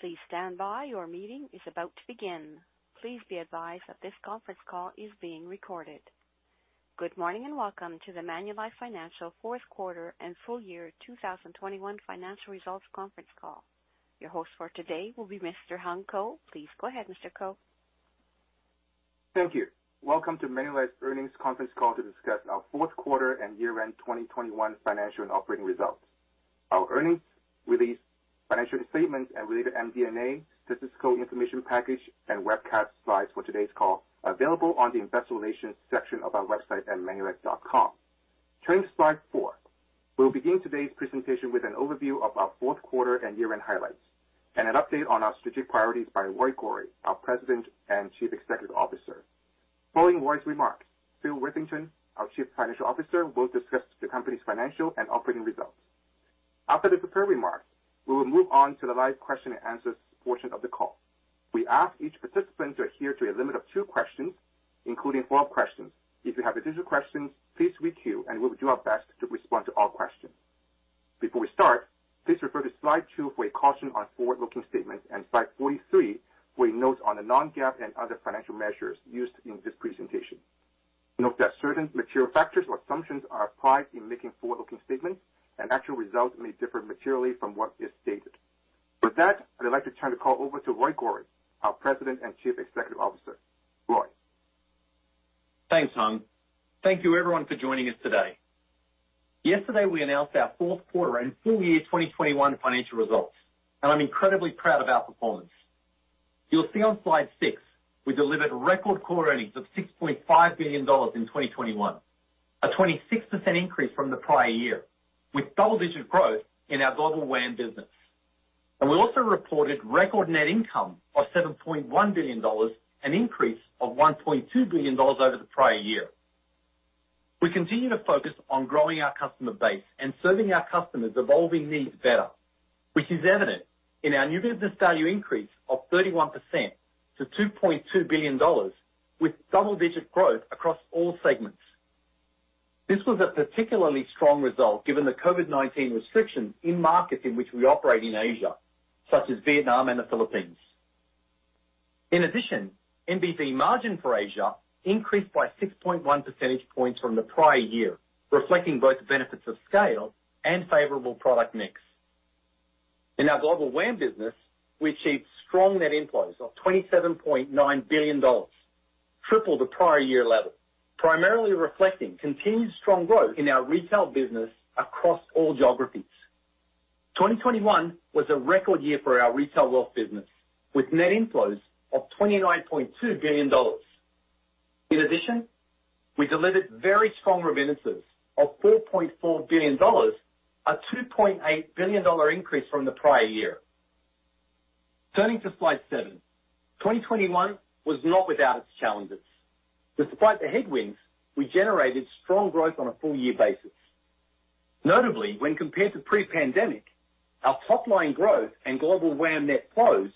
Good morning, and welcome to the Manulife Financial Fourth Quarter and Full Year 2021 Financial Results Conference Call. Your host for today will be Mr. Hung Ko. Please go ahead, Mr. Ko. Thank you. Welcome to Manulife's earnings conference call to discuss our fourth quarter and year-end 2021 financial and operating results. Our earnings release, financial statements, and related MD&A, statistical information package and webcast slides for today's call are available on the Investor Relations section of our website at manulife.com. Turning to slide four. We will begin today's presentation with an overview of our fourth quarter and year-end highlights and an update on our strategic priorities by Roy Gori, our President and Chief Executive Officer. Following Roy's remarks, Phil Witherington, our Chief Financial Officer, will discuss the company's financial and operating results. After the prepared remarks, we will move on to the live question-and-answer portion of the call. We ask each participant to adhere to a limit of two questions, including follow-up questions. If you have additional questions, please re-queue, and we will do our best to respond to all questions. Before we start, please refer to slide two for a caution on forward-looking statements and slide 43 for a note on the non-GAAP and other financial measures used in this presentation. Note that certain material factors or assumptions are applied in making forward-looking statements and actual results may differ materially from what is stated. With that, I'd like to turn the call over to Roy Gori, our President and Chief Executive Officer. Roy. Thanks, Hang. Thank you everyone for joining us today. Yesterday, we announced our fourth quarter and full year 2021 financial results, and I'm incredibly proud of our performance. You'll see on slide six, we delivered record core earnings of 6.5 billion dollars in 2021, a 26% increase from the prior year, with double-digit growth in our Global WAM business. We also reported record net income of 7.1 billion dollars, an increase of 1.2 billion dollars over the prior year. We continue to focus on growing our customer base and serving our customers' evolving needs better, which is evident in our new business value increase of 31% to 2.2 billion dollars with double-digit growth across all segments. This was a particularly strong result given the COVID-19 restrictions in markets in which we operate in Asia, such as Vietnam and the Philippines. In addition, NBV margin for Asia increased by 6.1 percentage points from the prior year, reflecting both benefits of scale and favorable product mix. In our Global WAM business, we achieved strong net inflows of 27.9 billion dollars, triple the prior year level, primarily reflecting continued strong growth in our retail business across all geographies. 2021 was a record year for our retail wealth business, with net inflows of 29.2 billion dollars. In addition, we delivered very strong remittances of 4.4 billion dollars, a 2.8 billion dollar increase from the prior year. Turning to slide seven 2021 was not without its challenges. Despite the headwinds, we generated strong growth on a full year basis. Notably, when compared to pre-pandemic, our top line growth and Global WAM net flows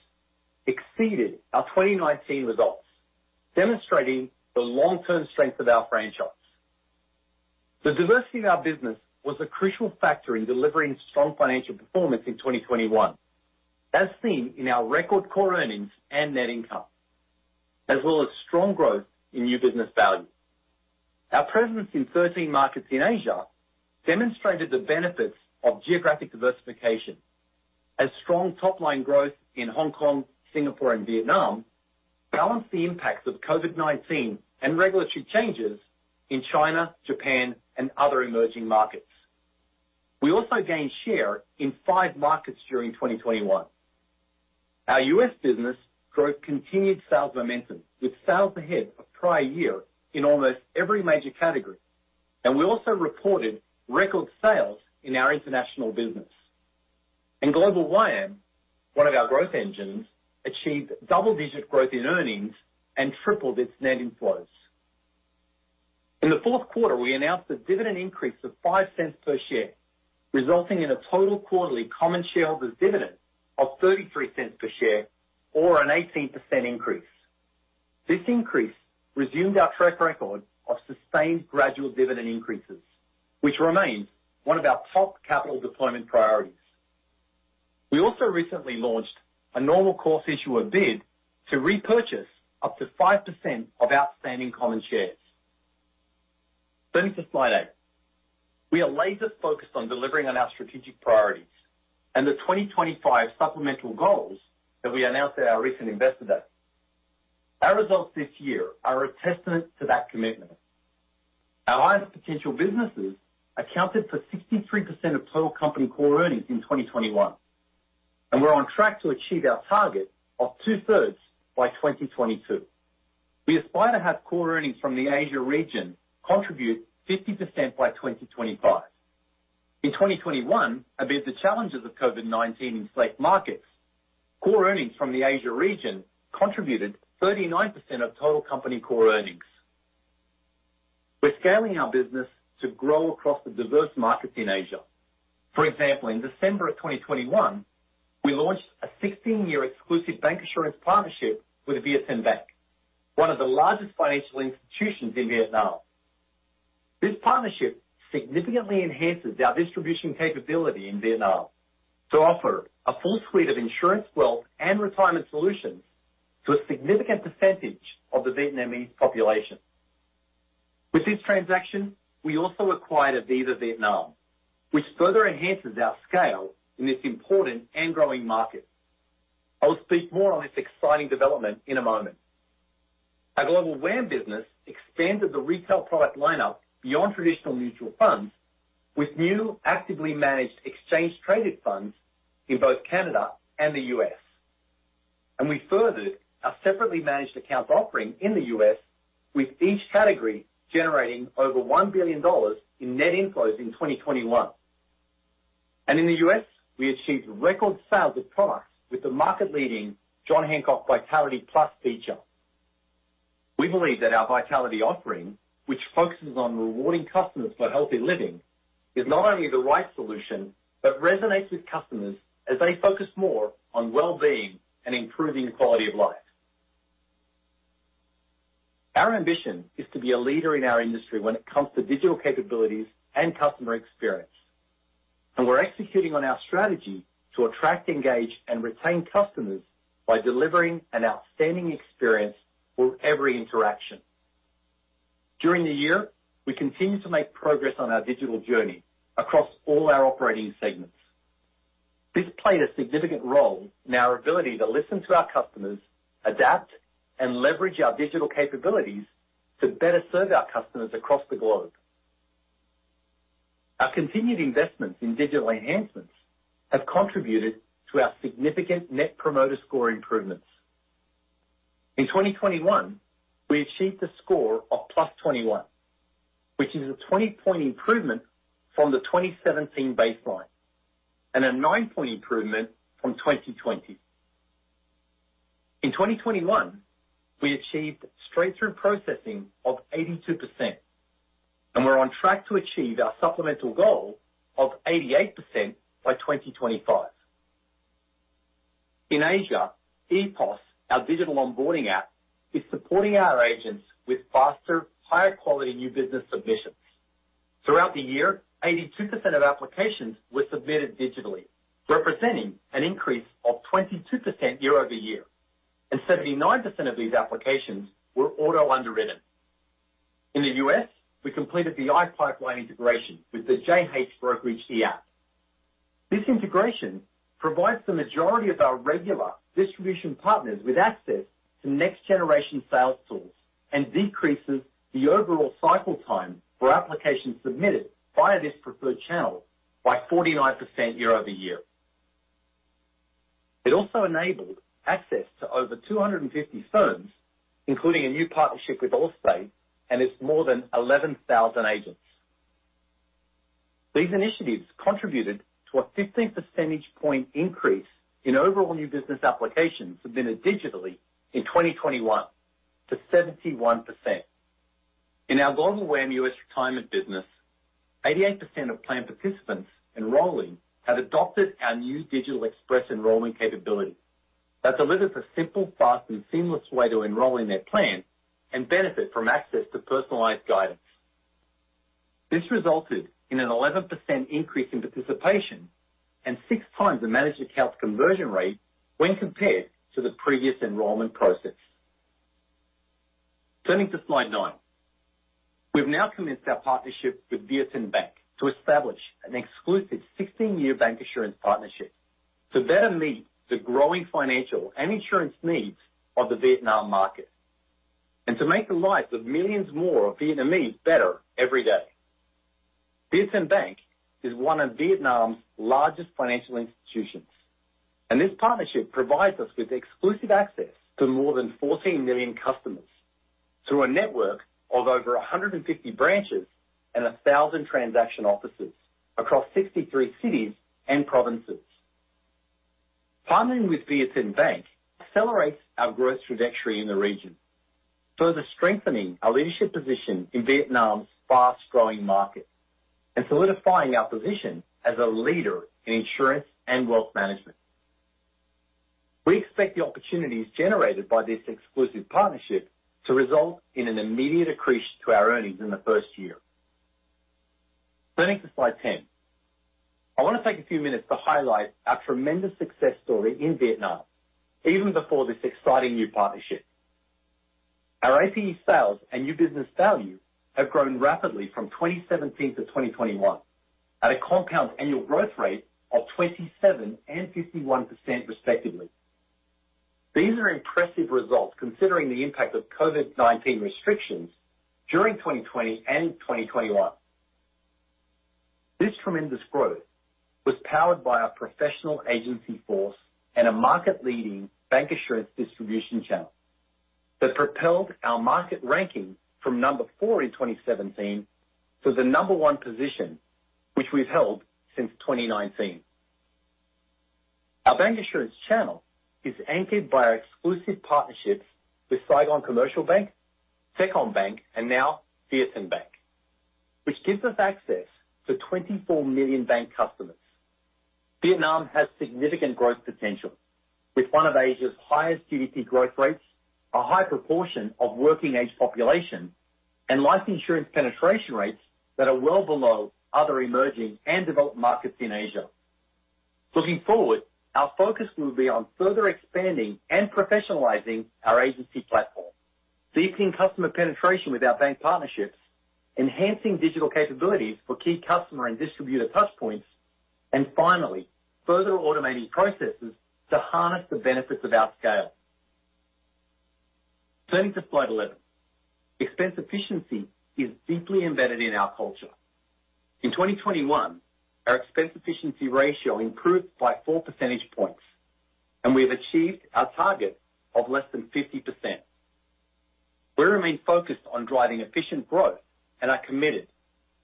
exceeded our 2019 results, demonstrating the long-term strength of our franchise. The diversity in our business was a crucial factor in delivering strong financial performance in 2021, as seen in our record core earnings and net income, as well as strong growth in new business value. Our presence in 13 markets in Asia demonstrated the benefits of geographic diversification as strong top-line growth in Hong Kong, Singapore, and Vietnam balanced the impacts of COVID-19 and regulatory changes in China, Japan, and other emerging markets. We also gained share in five markets during 2021. Our U.S. business growth continued sales momentum, with sales ahead of prior year in almost every major category. We also reported record sales in our international business. In Global WAM, one of our growth engines achieved double-digit growth in earnings and tripled its net inflows. In the fourth quarter, we announced a dividend increase of 5 cents per share, resulting in a total quarterly common shareholders dividend of 33 cents per share, or an 18% increase. This increase resumed our track record of sustained gradual dividend increases, which remains one of our top capital deployment priorities. We also recently launched a normal course issuer bid to repurchase up to 5% of outstanding common shares. Turning to slide eight. We are laser-focused on delivering on our strategic priorities and the 2025 supplemental goals that we announced at our recent investor day. Our results this year are a testament to that commitment. Our highest potential businesses accounted for 63% of total company core earnings in 2021, and we're on track to achieve our target of two-thirds by 2022. We aspire to have core earnings from the Asia region contribute 50% by 2025. In 2021, amid the challenges of COVID-19 in select markets, core earnings from the Asia region contributed 39% of total company core earnings. We're scaling our business to grow across the diverse markets in Asia. For example, in December 2021, we launched a 16-year exclusive bank insurance partnership with VietinBank, one of the largest financial institutions in Vietnam. This partnership significantly enhances our distribution capability in Vietnam to offer a full suite of insurance, wealth, and retirement solutions to a significant percentage of the Vietnamese population. With this transaction, we also acquired Aviva Vietnam, which further enhances our scale in this important and growing market. I'll speak more on this exciting development in a moment. Our Global WAM business expanded the retail product lineup beyond traditional mutual funds with new actively managed exchange-traded funds in both Canada and the U.S. We furthered our separately managed accounts offering in the U.S., with each category generating over $1 billion in net inflows in 2021. In the U.S., we achieved record sales of products with the market-leading John Hancock Vitality PLUS feature. We believe that our Vitality offering, which focuses on rewarding customers for healthy living, is not only the right solution but resonates with customers as they focus more on well-being and improving quality of life. Our ambition is to be a leader in our industry when it comes to digital capabilities and customer experience. We're executing on our strategy to attract, engage, and retain customers by delivering an outstanding experience with every interaction. During the year, we continued to make progress on our digital journey across all our operating segments. This played a significant role in our ability to listen to our customers, adapt, and leverage our digital capabilities to better serve our customers across the globe. Our continued investments in digital enhancements have contributed to our significant Net Promoter Score improvements. In 2021, we achieved a score of +21, which is a 20-point improvement from the 2017 baseline and a nine-point improvement from 2020. In 2021, we achieved straight-through processing of 82%, and we're on track to achieve our supplemental goal of 88% by 2025. In Asia, ePOS, our digital onboarding app, is supporting our agents with faster, higher quality new business submissions. Throughout the year, 82% of applications were submitted digitally, representing an increase of 22% year-over-year, and 79% of these applications were auto-underwritten. In the U.S., we completed the iPipeline integration with the JH Brokerage eApp. This integration provides the majority of our regular distribution partners with access to next-generation sales tools and decreases the overall cycle time for applications submitted via this preferred channel by 49% year-over-year. It also enabled access to over 250 firms, including a new partnership with Allstate and its more than 11,000 agents. These initiatives contributed to a 15 percentage point increase in overall new business applications submitted digitally in 2021 to 71%. In our Global WAM U.S. retirement business, 88% of plan participants enrolling have adopted our new digital express enrollment capability that delivers a simple, fast, and seamless way to enroll in their plan and benefit from access to personalized guidance. This resulted in an 11% increase in participation and six times the managed accounts conversion rate when compared to the previous enrollment process. Turning to slide 9. We've now commenced our partnership with VietinBank to establish an exclusive 16-year bancassurance partnership to better meet the growing financial and insurance needs of the Vietnam market. To make the lives of millions more of Vietnamese better every day. VietinBank is one of Vietnam's largest financial institutions, and this partnership provides us with exclusive access to more than 14 million customers through a network of over 150 branches and 1,000 transaction offices across 63 cities and provinces. Partnering with VietinBank accelerates our growth trajectory in the region, further strengthening our leadership position in Vietnam's fast-growing market and solidifying our position as a leader in insurance and wealth management. We expect the opportunities generated by this exclusive partnership to result in an immediate accretion to our earnings in the first year. Turning to slide 10. I want to take a few minutes to highlight our tremendous success story in Vietnam even before this exciting new partnership. Our APE sales and new business value have grown rapidly from 2017 to 2021 at a compound annual growth rate of 27% and 51% respectively. These are impressive results considering the impact of COVID-19 restrictions during 2020 and 2021. This tremendous growth was powered by our professional agency force and a market-leading bancassurance distribution channel that propelled our market ranking from number four in 2017 to the number one position, which we've held since 2019. Our bancassurance channel is anchored by our exclusive partnerships with Saigon Commercial Bank, Techcombank, and now VietinBank, which gives us access to 24 million bank customers. Vietnam has significant growth potential with one of Asia's highest GDP growth rates, a high proportion of working age population, and life insurance penetration rates that are well below other emerging and developed markets in Asia. Looking forward, our focus will be on further expanding and professionalizing our agency platform, deepening customer penetration with our bank partnerships, enhancing digital capabilities for key customer and distributor touchpoints, and finally, further automating processes to harness the benefits of our scale. Turning to slide 11. Expense efficiency is deeply embedded in our culture. In 2021, our expense efficiency ratio improved by 4 percentage points, and we have achieved our target of less than 50%. We remain focused on driving efficient growth and are committed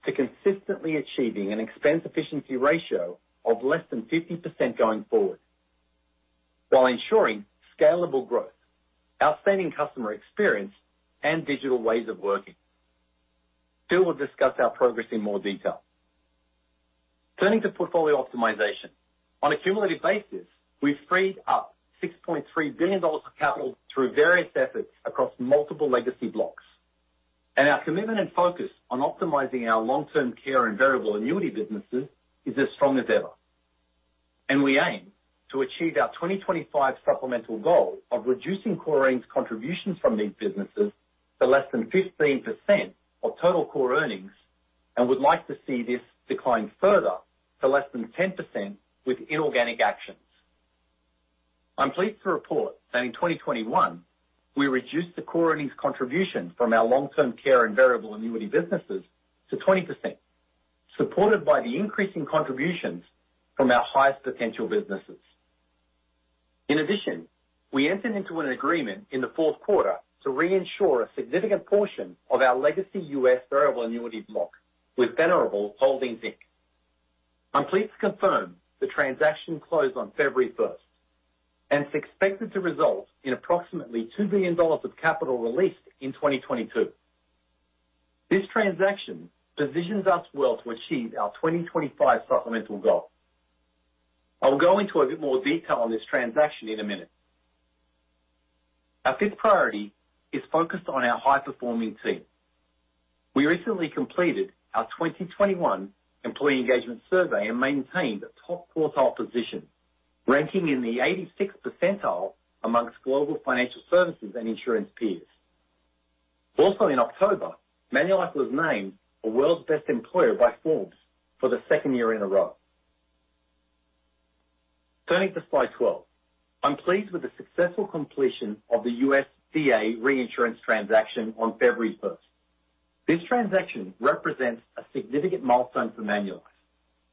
to consistently achieving an expense efficiency ratio of less than 50% going forward while ensuring scalable growth, outstanding customer experience, and digital ways of working. Phil will discuss our progress in more detail. Turning to portfolio optimization. On a cumulative basis, we freed up 6.3 billion dollars of capital through various efforts across multiple legacy blocks. Our commitment and focus on optimizing our long-term care and variable annuity businesses is as strong as ever. We aim to achieve our 2025 supplemental goal of reducing core earnings contributions from these businesses to less than 15% of total core earnings and would like to see this decline further to less than 10% with inorganic actions. I'm pleased to report that in 2021, we reduced the core earnings contribution from our long-term care and variable annuity businesses to 20%, supported by the increasing contributions from our highest potential businesses. In addition, we entered into an agreement in the fourth quarter to reinsure a significant portion of our legacy U.S. variable annuity block with Venerable Holdings, Inc. I'm pleased to confirm the transaction closed on February 1st, and it's expected to result in approximately $2 billion of capital released in 2022. This transaction positions us well to achieve our 2025 supplemental goal. I will go into a bit more detail on this transaction in a minute. Our fifth priority is focused on our high-performing team. We recently completed our 2021 employee engagement survey and maintained a top quartile position, ranking in the 86th percentile amongst global financial services and insurance peers. Also in October, Manulife was named a world's best employer by Forbes for the second year in a row. Turning to slide 12. I'm pleased with the successful completion of the U.S. VA reinsurance transaction on February 1st. This transaction represents a significant milestone for Manulife,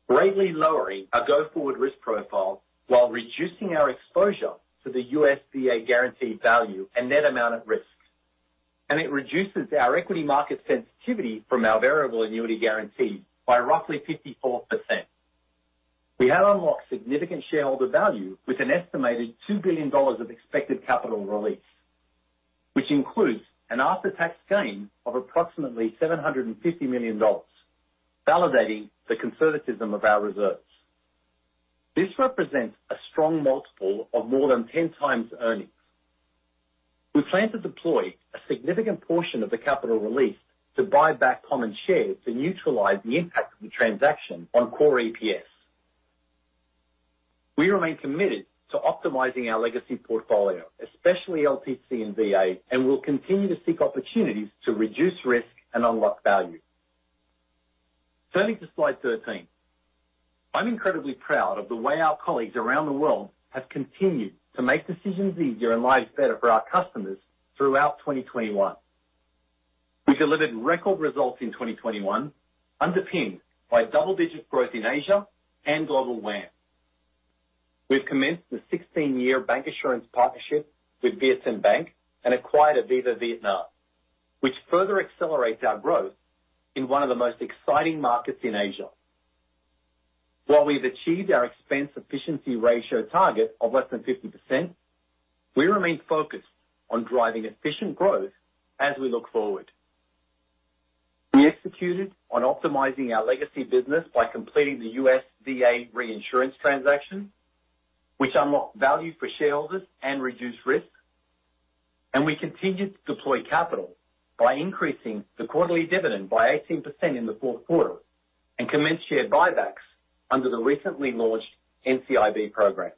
greatly lowering our go-forward risk profile while reducing our exposure to the U.S. VA guaranteed value and net amount at risk. It reduces our equity market sensitivity from our variable annuity guarantee by roughly 54%. We have unlocked significant shareholder value with an estimated 2 billion dollars of expected capital release, which includes an after-tax gain of approximately 750 million dollars, validating the conservatism of our reserves. This represents a strong multiple of more than 10x earnings. We plan to deploy a significant portion of the capital release to buy back common shares to neutralize the impact of the transaction on core EPS. We remain committed to optimizing our legacy portfolio, especially LTC and VA, and will continue to seek opportunities to reduce risk and unlock value. Turning to slide 13. I'm incredibly proud of the way our colleagues around the world have continued to make decisions easier and lives better for our customers throughout 2021. We delivered record results in 2021, underpinned by double-digit growth in Asia and global WAM. We've commenced the 16-year bancassurance partnership with VietinBank and acquired Aviva Vietnam, which further accelerates our growth in one of the most exciting markets in Asia. While we've achieved our expense efficiency ratio target of less than 50%, we remain focused on driving efficient growth as we look forward. We executed on optimizing our legacy business by completing the U.S. VA reinsurance transaction, which unlocked value for shareholders and reduced risk. We continued to deploy capital by increasing the quarterly dividend by 18% in the fourth quarter and commenced share buybacks under the recently launched NCIB program.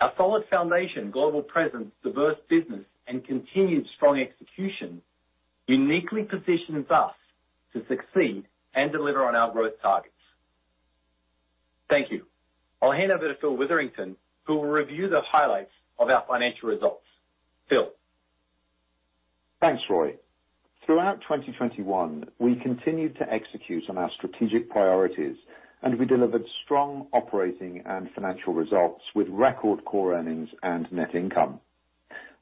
Our solid foundation, global presence, diverse business, and continued strong execution uniquely positions us to succeed and deliver on our growth targets. Thank you. I'll hand over to Phil Witherington, who will review the highlights of our financial results. Phil? Thanks, Roy. Throughout 2021, we continued to execute on our strategic priorities, and we delivered strong operating and financial results with record core earnings and net income.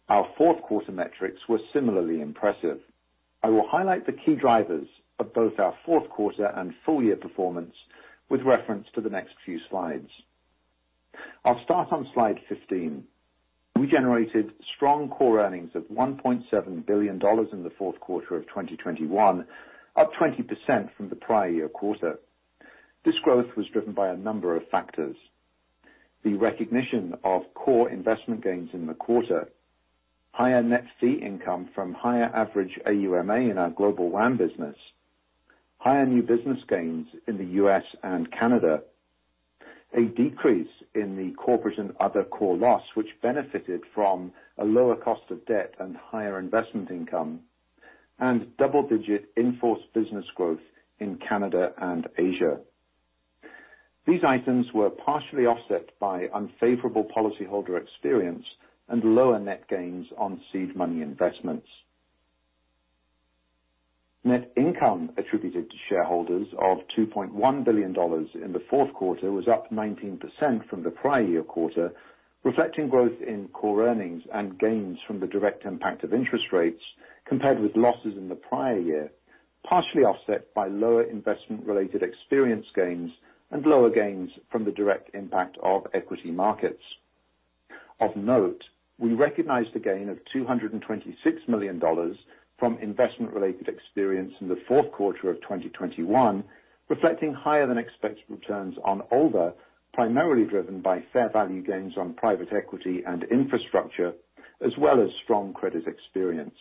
Our fourth quarter metrics were similarly impressive. I will highlight the key drivers of both our fourth quarter and full-year performance with reference to the next few slides. I'll start on slide 15. We generated strong core earnings of 1.7 billion dollars in the fourth quarter of 2021, up 20% from the prior year quarter. This growth was driven by a number of factors. The recognition of core investment gains in the quarter, higher net fee income from higher average AUMA in our Global WAM business, higher new business gains in the U.S. and Canada, a decrease in the corporate and other core loss which benefited from a lower cost of debt and higher investment income, and double-digit in-force business growth in Canada and Asia. These items were partially offset by unfavorable policyholder experience and lower net gains on seed money investments. Net income attributed to shareholders of 2.1 billion dollars in the fourth quarter was up 19% from the prior year quarter, reflecting growth in core earnings and gains from the direct impact of interest rates compared with losses in the prior year, partially offset by lower investment related experience gains and lower gains from the direct impact of equity markets. Of note, we recognized a gain of 226 million dollars from investment related experience in the fourth quarter of 2021, reflecting higher than expected returns on OLVA, primarily driven by fair value gains on private equity and infrastructure, as well as strong credit experience.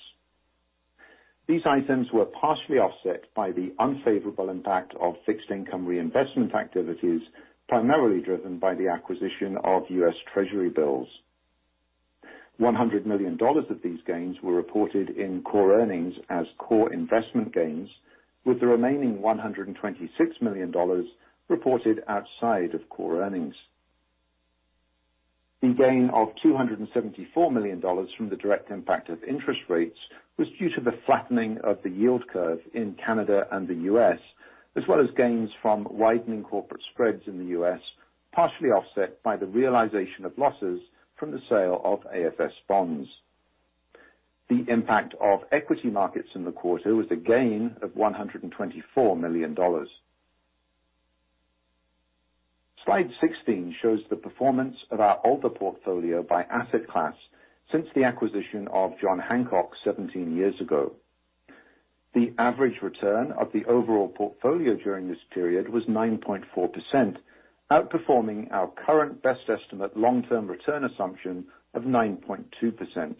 These items were partially offset by the unfavorable impact of fixed income reinvestment activities, primarily driven by the acquisition of U.S. Treasury bills. 100 million dollars of these gains were reported in core earnings as core investment gains, with the remaining 126 million dollars reported outside of core earnings. The gain of 274 million dollars from the direct impact of interest rates was due to the flattening of the yield curve in Canada and the U.S., as well as gains from widening corporate spreads in the U.S., partially offset by the realization of losses from the sale of AFS bonds. The impact of equity markets in the quarter was a gain of 124 million dollars. Slide 16 shows the performance of our older portfolio by asset class since the acquisition of John Hancock 17 years ago. The average return of the overall portfolio during this period was 9.4%, outperforming our current best estimate long-term return assumption of 9.2%.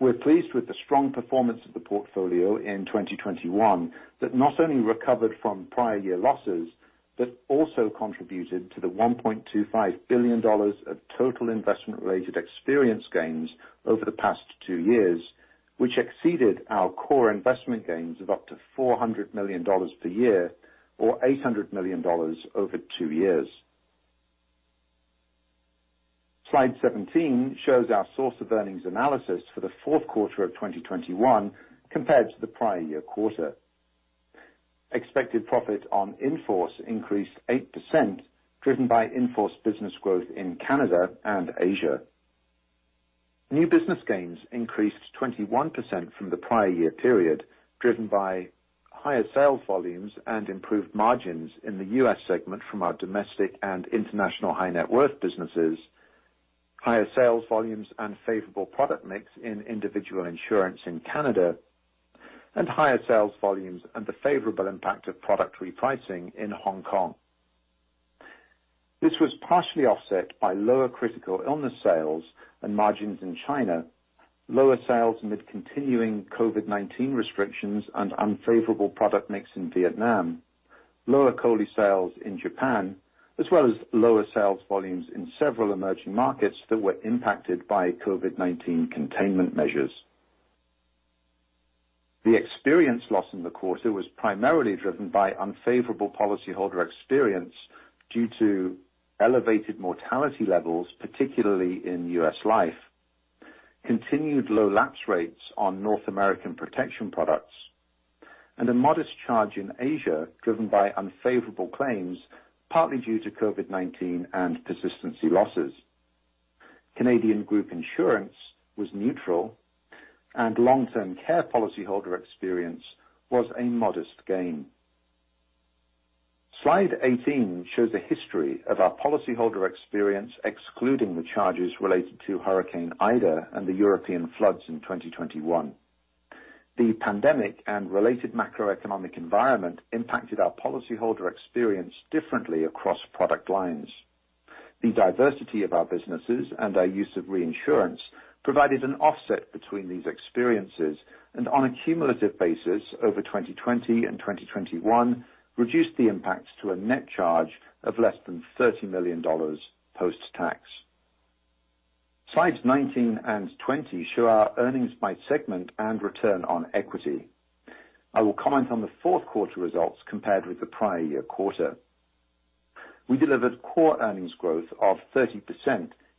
We're pleased with the strong performance of the portfolio in 2021, that not only recovered from prior-year losses, but also contributed to the 1.25 billion dollars of total investment related experience gains over the past two years, which exceeded our core investment gains of up to 400 million dollars per year or 800 million dollars over two years. Slide 17 shows our source of earnings analysis for the fourth quarter of 2021 compared to the prior-year quarter. Expected profit on in-force increased 8%, driven by in-force business growth in Canada and Asia. New business gains increased 21% from the prior year period, driven by higher sales volumes and improved margins in the U.S. segment from our domestic and international high net worth businesses, higher sales volumes and favorable product mix in individual insurance in Canada, and higher sales volumes and the favorable impact of product repricing in Hong Kong. This was partially offset by lower critical illness sales and margins in China, lower sales amid continuing COVID-19 restrictions and unfavorable product mix in Vietnam, lower COLI sales in Japan, as well as lower sales volumes in several emerging markets that were impacted by COVID-19 containment measures. The experience loss in the quarter was primarily driven by unfavorable policyholder experience due to elevated mortality levels, particularly in U.S. Life, continued low lapse rates on North American protection products, and a modest charge in Asia, driven by unfavorable claims, partly due to COVID-19 and persistency losses. Canadian Group Insurance was neutral and long-term care policyholder experience was a modest gain. Slide 18 shows a history of our policyholder experience, excluding the charges related to Hurricane Ida and the European floods in 2021. The pandemic and related macroeconomic environment impacted our policyholder experience differently across product lines. The diversity of our businesses and our use of reinsurance provided an offset between these experiences, and on a cumulative basis over 2020 and 2021, reduced the impacts to a net charge of less than 30 million dollars post-tax. Slides 19 and 20 show our earnings by segment and return on equity. I will comment on the fourth quarter results compared with the prior year quarter. We delivered core earnings growth of 30%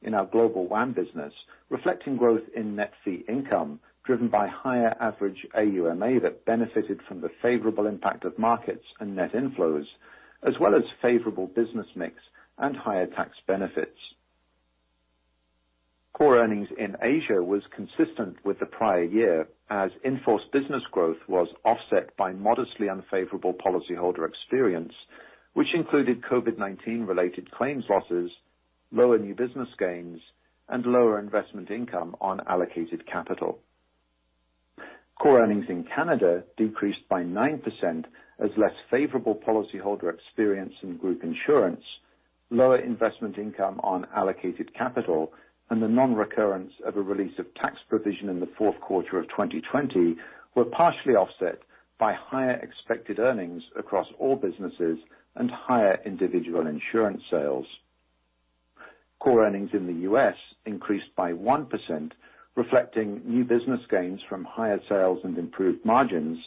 in our Global WAM business, reflecting growth in net fee income driven by higher average AUMA that benefited from the favorable impact of markets and net inflows, as well as favorable business mix and higher tax benefits. Core earnings in Asia was consistent with the prior year, as in-force business growth was offset by modestly unfavorable policyholder experience, which included COVID-19 related claims losses, lower new business gains, and lower investment income on allocated capital. Core earnings in Canada decreased by 9% as less favorable policyholder experience in group insurance, lower investment income on allocated capital, and the non-recurrence of a release of tax provision in the fourth quarter of 2020 were partially offset by higher expected earnings across all businesses and higher individual insurance sales. Core earnings in the U.S. increased by 1%, reflecting new business gains from higher sales and improved margins,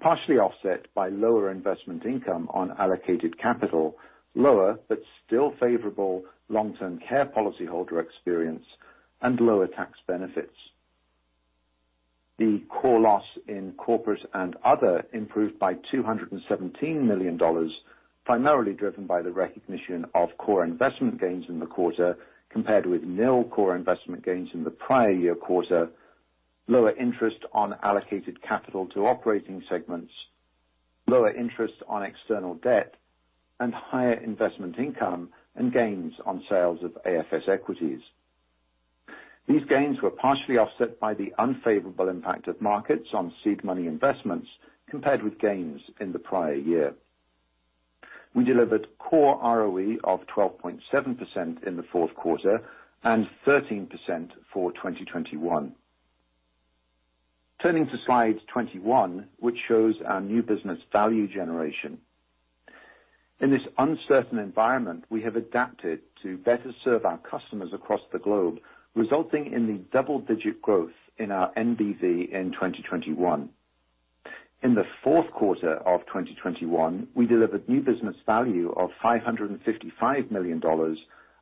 partially offset by lower investment income on allocated capital, lower but still favorable long-term care policyholder experience, and lower tax benefits. The core loss in corporate and other improved by 217 million dollars, primarily driven by the recognition of core investment gains in the quarter, compared with nil core investment gains in the prior year quarter, lower interest on allocated capital to operating segments, lower interest on external debt, and higher investment income and gains on sales of AFS equities. These gains were partially offset by the unfavorable impact of markets on seed money investments, compared with gains in the prior year. We delivered core ROE of 12.7% in the fourth quarter and 13% for 2021. Turning to slide 21, which shows our new business value generation. In this uncertain environment, we have adapted to better serve our customers across the globe, resulting in the double-digit growth in our NBV in 2021. In the fourth quarter of 2021, we delivered new business value of 555 million dollars,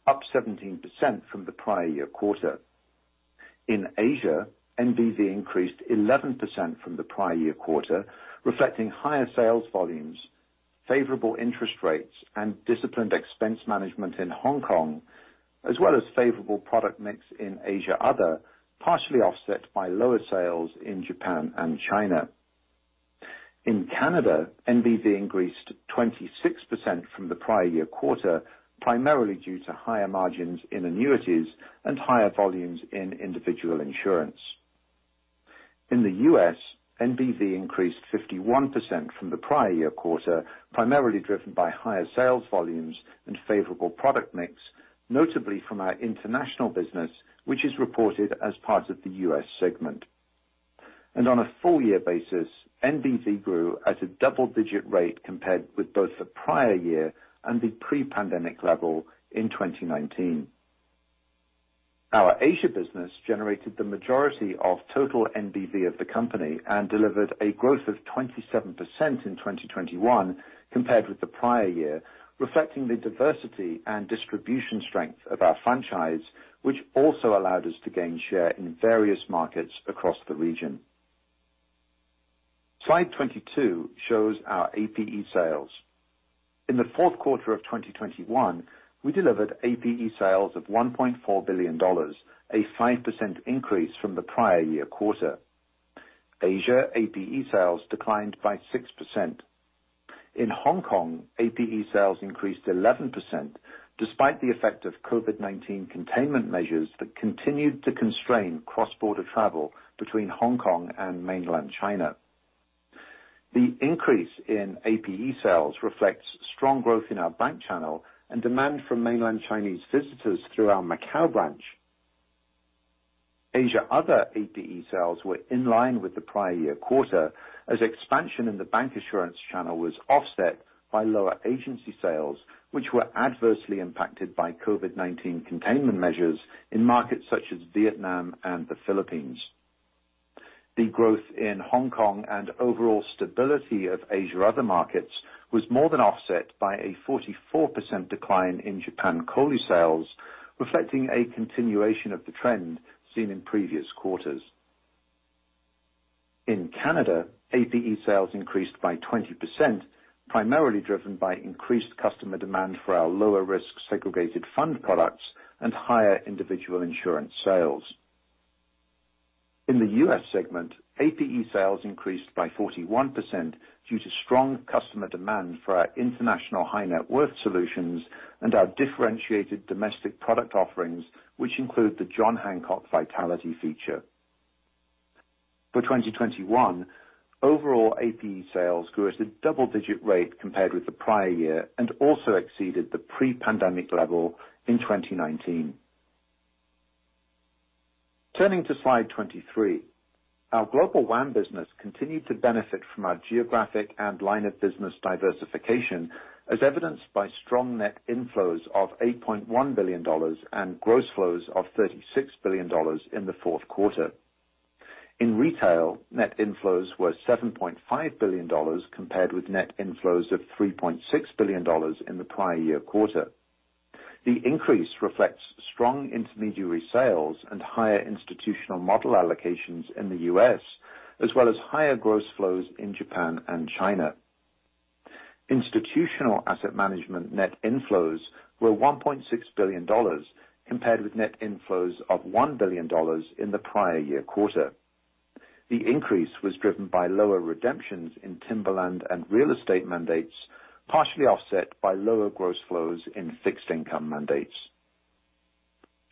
up 17% from the prior year quarter. In Asia, NBV increased 11% from the prior year quarter, reflecting higher sales volumes, favorable interest rates, and disciplined expense management in Hong Kong, as well as favorable product mix in Asia Other, partially offset by lower sales in Japan and China. In Canada, NBV increased 26% from the prior year quarter, primarily due to higher margins in annuities and higher volumes in individual insurance. In the U.S., NBV increased 51% from the prior year quarter, primarily driven by higher sales volumes and favorable product mix, notably from our international business, which is reported as part of the U.S. segment. On a full year basis, NBV grew at a double-digit rate compared with both the prior year and the pre-pandemic level in 2019. Our Asia business generated the majority of total NBV of the company and delivered a growth of 27% in 2021 compared with the prior year, reflecting the diversity and distribution strength of our franchise, which also allowed us to gain share in various markets across the region. Slide 22 shows our APE sales. In the fourth quarter of 2021, we delivered APE sales of 1.4 billion dollars, a 5% increase from the prior year quarter. Asia APE sales declined by 6%. In Hong Kong, APE sales increased 11% despite the effect of COVID-19 containment measures that continued to constrain cross-border travel between Hong Kong and mainland China. The increase in APE sales reflects strong growth in our bank channel and demand from mainland Chinese visitors through our Macau branch. Asia Other APE sales were in line with the prior year quarter as expansion in the bank insurance channel was offset by lower agency sales, which were adversely impacted by COVID-19 containment measures in markets such as Vietnam and the Philippines. The growth in Hong Kong and overall stability of Asia Other markets was more than offset by a 44% decline in Japan COLI sales, reflecting a continuation of the trend seen in previous quarters. In Canada, APE sales increased by 20%, primarily driven by increased customer demand for our lower risk segregated fund products and higher individual insurance sales. In the U.S. segment, APE sales increased by 41% due to strong customer demand for our international high net worth solutions and our differentiated domestic product offerings, which include the John Hancock Vitality feature. For 2021, overall APE sales grew at a double-digit rate compared with the prior year and also exceeded the pre-pandemic level in 2019. Turning to slide 23. Our Global WAM business continued to benefit from our geographic and line of business diversification, as evidenced by strong net inflows of $8.1 billion and gross flows of $36 billion in the fourth quarter. In retail, net inflows were $7.5 billion, compared with net inflows of $3.6 billion in the prior year quarter. The increase reflects strong intermediary sales and higher institutional model allocations in the U.S., as well as higher gross flows in Japan and China. Institutional asset management net inflows were $1.6 billion, compared with net inflows of $1 billion in the prior year quarter. The increase was driven by lower redemptions in timberland and real estate mandates, partially offset by lower gross flows in fixed income mandates.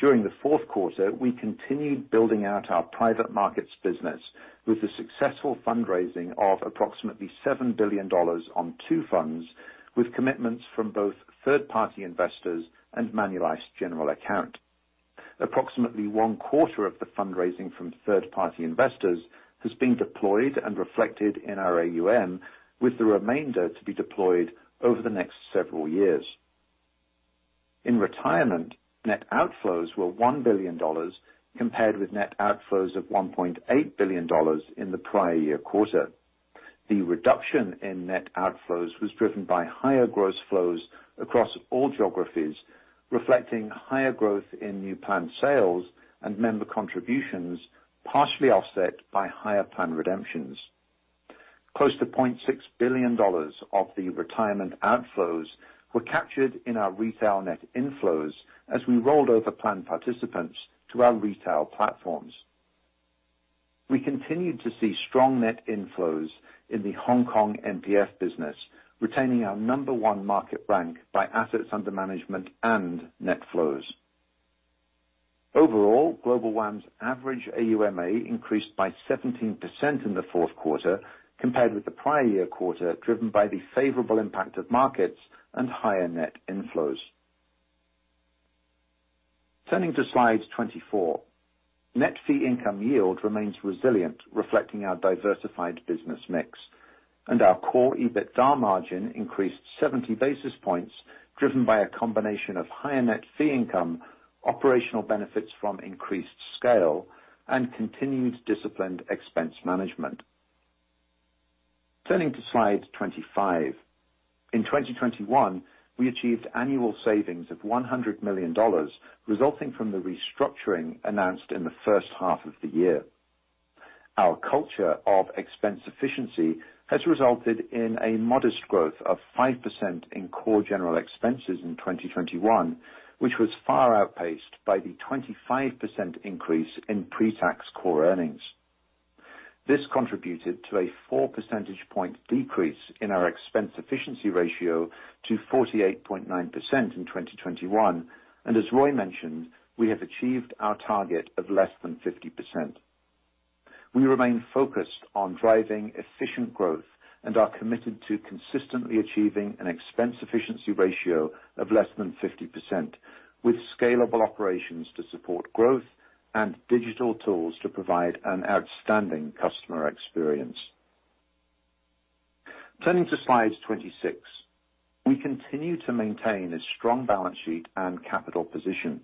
During the fourth quarter, we continued building out our private markets business with the successful fundraising of approximately $7 billion on two funds, with commitments from both third-party investors and Manulife's general account. Approximately one quarter of the fundraising from third-party investors has been deployed and reflected in our AUM, with the remainder to be deployed over the next several years. In retirement, net outflows were 1 billion dollars, compared with net outflows of 1.8 billion dollars in the prior year quarter. The reduction in net outflows was driven by higher gross flows across all geographies, reflecting higher growth in new plan sales and member contributions, partially offset by higher plan redemptions. Close to 0.6 billion dollars of the retirement outflows were captured in our retail net inflows as we rolled over plan participants to our retail platforms. We continued to see strong net inflows in the Hong Kong MPF business, retaining our number one market rank by assets under management and net flows. Overall, Global WAM's average AUMA increased by 17% in the fourth quarter compared with the prior year quarter, driven by the favorable impact of markets and higher net inflows. Turning to slide 24. Net fee income yield remains resilient, reflecting our diversified business mix. Our core EBITDA margin increased 70 basis points, driven by a combination of higher net fee income, operational benefits from increased scale, and continued disciplined expense management. Turning to slide 25. In 2021, we achieved annual savings of 100 million dollars resulting from the restructuring announced in the first half of the year. Our culture of expense efficiency has resulted in a modest growth of 5% in core general expenses in 2021, which was far outpaced by the 25% increase in pre-tax core earnings. This contributed to a 4 percentage point decrease in our expense efficiency ratio to 48.9% in 2021. As Roy mentioned, we have achieved our target of less than 50%. We remain focused on driving efficient growth and are committed to consistently achieving an expense efficiency ratio of less than 50%, with scalable operations to support growth and digital tools to provide an outstanding customer experience. Turning to slide 26. We continue to maintain a strong balance sheet and capital position.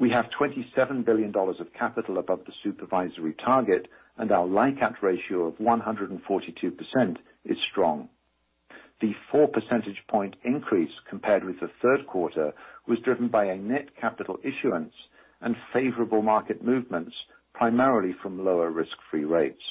We have 27 billion dollars of capital above the supervisory target, and our LICAT ratio of 142% is strong. The 4 percentage point increase compared with the third quarter was driven by a net capital issuance and favorable market movements, primarily from lower risk-free rates.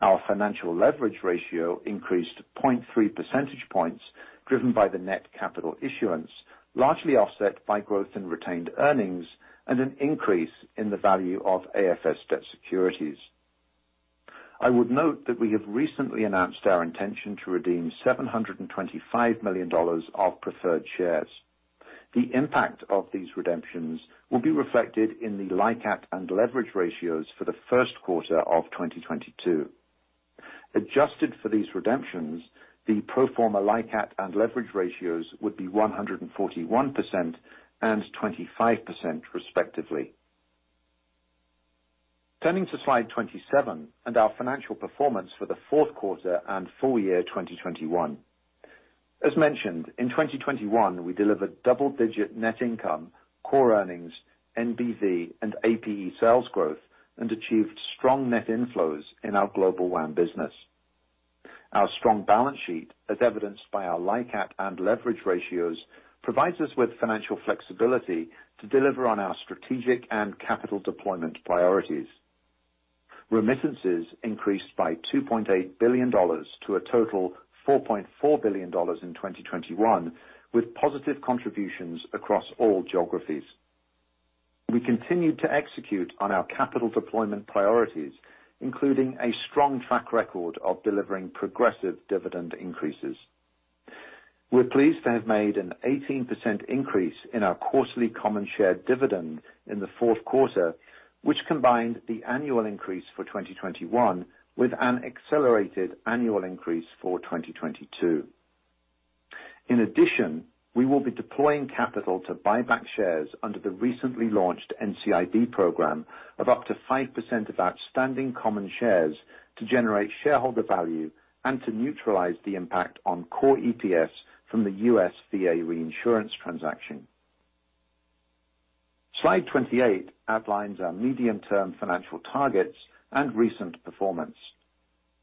Our financial leverage ratio increased 0.3 percentage points, driven by the net capital issuance, largely offset by growth in retained earnings and an increase in the value of AFS debt securities. I would note that we have recently announced our intention to redeem 725 million dollars of preferred shares. The impact of these redemptions will be reflected in the LICAT and leverage ratios for the first quarter of 2022. Adjusted for these redemptions, the pro forma LICAT and leverage ratios would be 141% and 25%, respectively. Turning to slide 27 and our financial performance for the fourth quarter and full year 2021. As mentioned, in 2021, we delivered double-digit net income, core earnings, NBV, and APE sales growth, and achieved strong net inflows in our Global WAM business. Our strong balance sheet, as evidenced by our LICAT and leverage ratios, provides us with financial flexibility to deliver on our strategic and capital deployment priorities. Remittances increased by 2.8 billion dollars to a total 4.4 billion dollars in 2021, with positive contributions across all geographies. We continued to execute on our capital deployment priorities, including a strong track record of delivering progressive dividend increases. We're pleased to have made an 18% increase in our quarterly common share dividend in the fourth quarter, which combined the annual increase for 2021 with an accelerated annual increase for 2022. In addition, we will be deploying capital to buy back shares under the recently launched NCIB program of up to 5% of outstanding common shares to generate shareholder value and to neutralize the impact on core EPS from the U.S. VA reinsurance transaction. Slide 28 outlines our medium-term financial targets and recent performance.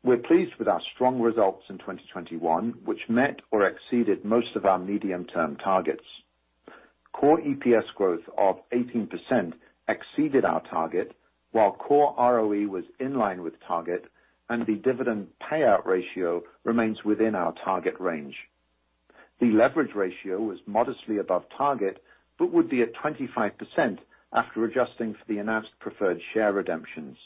We're pleased with our strong results in 2021, which met or exceeded most of our medium-term targets. Core EPS growth of 18% exceeded our target, while core ROE was in line with target and the dividend payout ratio remains within our target range. The leverage ratio was modestly above target, but would be at 25% after adjusting for the announced preferred share redemptions.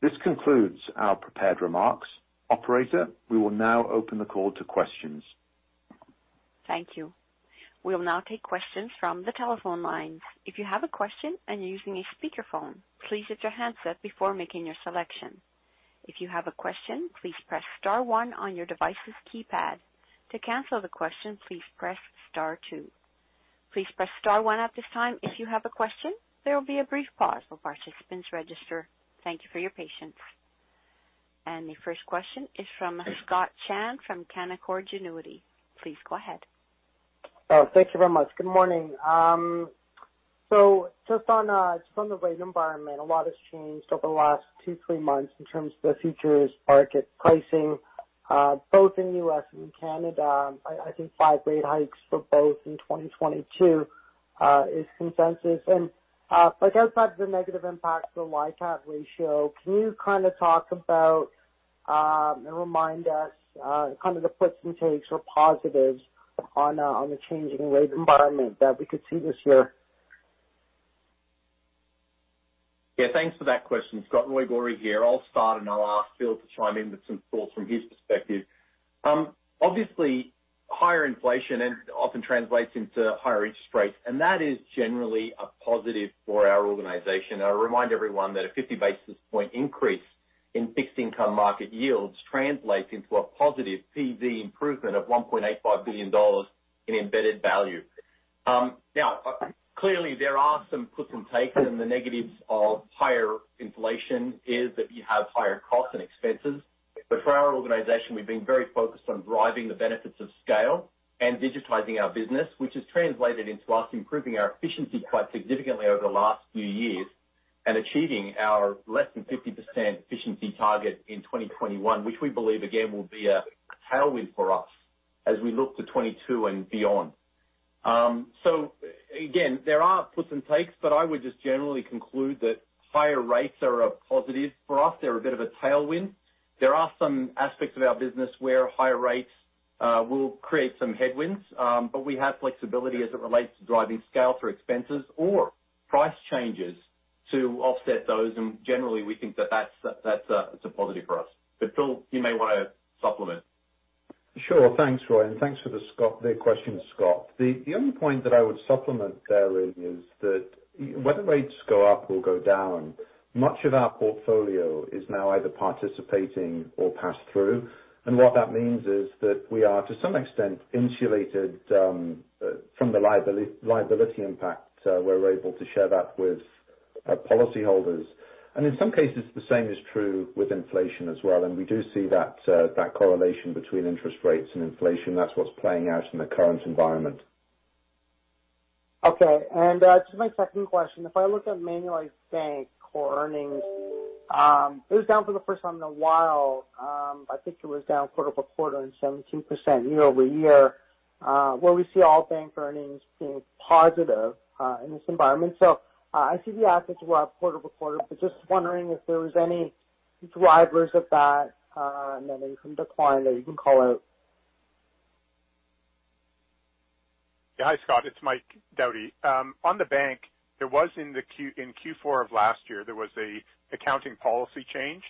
This concludes our prepared remarks. Operator, we will now open the call to questions. Thank you. We'll now take questions from the telephone lines. If you have a question and you're using a speakerphone, please mute your handset before making your selection. If you have a question, please press star one on your device's keypad. To cancel the question, please press star two. Please press star one at this time if you have a question. There will be a brief pause while participants register. Thank you for your patience. The first question is from Scott Chan from Canaccord Genuity. Please go ahead. Oh, thank you very much. Good morning. So just on the rate environment, a lot has changed over the last 2-3 months in terms of the futures market pricing, both in U.S. and Canada. I think five rate hikes for both in 2022 is consensus. Like outside the negative impact to the LICAT ratio, can you kinda talk about and remind us kind of the puts and takes or positives on the changing rate environment that we could see this year? Yeah, thanks for that question, Scott. Roy Gori here. I'll start, and I'll ask Phil to chime in with some thoughts from his perspective. Obviously, higher inflation often translates into higher interest rates, and that is generally a positive for our organization. I'll remind everyone that a 50 basis point increase in fixed income market yields translates into a positive PV improvement of 1.85 billion dollars in embedded value. Now, clearly there are some puts and takes, and the negatives of higher inflation is that you have higher costs and expenses. For our organization, we've been very focused on driving the benefits of scale and digitizing our business, which has translated into us improving our efficiency quite significantly over the last few years and achieving our less than 50% efficiency target in 2021, which we believe again will be a tailwind for us as we look to 2022 and beyond. Again, there are puts and takes, but I would just generally conclude that higher rates are a positive for us. They're a bit of a tailwind. There are some aspects of our business where higher rates will create some headwinds, but we have flexibility as it relates to driving scale through expenses or price changes to offset those. Generally, we think that that's a positive for us. Phil, you may wanna supplement. Sure. Thanks, Roy, and thanks for the question, Scott. The only point that I would supplement there is that whether rates go up or go down, much of our portfolio is now either participating or pass through. What that means is that we are to some extent insulated from the liability impact. We're able to share that with our policy holders. In some cases, the same is true with inflation as well. We do see that correlation between interest rates and inflation. That's what's playing out in the current environment. Okay. Just my second question. If I look at Manulife Bank core earnings, it was down for the first time in a while. I think it was down quarter-over-quarter and 17% year-over-year, where we see all bank earnings being positive in this environment. I see the assets go up quarter-over-quarter, but just wondering if there was any drivers of that, and then any decline that you can call out. Yeah. Hi, Scott. It's Mike Doughty. On the bank, there was in Q4 of last year an accounting policy change,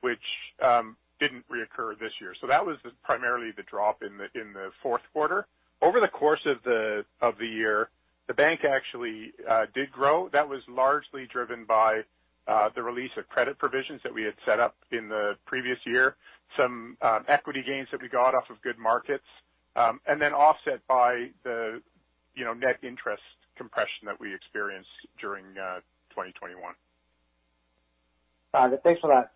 which didn't reoccur this year. That was primarily the drop in the fourth quarter. Over the course of the year, the bank actually did grow. That was largely driven by the release of credit provisions that we had set up in the previous year, some equity gains that we got off of good markets, and then offset by you know, net interest compression that we experienced during 2021. Got it. Thanks for that.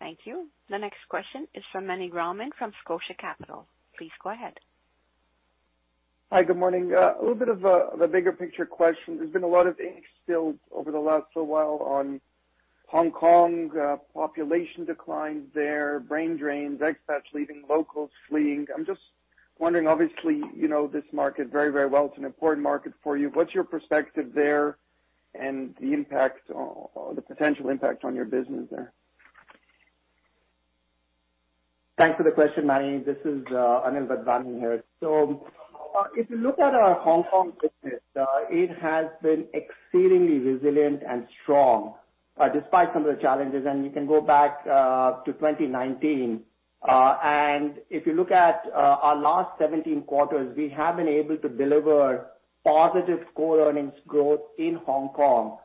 Thank you. The next question is from Meny Grauman from Scotia Capital. Please go ahead. Hi. Good morning. A little bit of a bigger picture question. There's been a lot of ink spilled over the last little while on Hong Kong, population declines there, brain drains, expats leaving, locals fleeing. I'm just wondering, obviously, you know this market very, very well. It's an important market for you. What's your perspective there and the impact or the potential impact on your business there? Thanks for the question, Meny. This is Anil Wadhwani here. If you look at our Hong Kong business, it has been exceedingly resilient and strong, despite some of the challenges. You can go back to 2019. If you look at our last 17 quarters, we have been able to deliver positive core earnings growth in Hong Kong,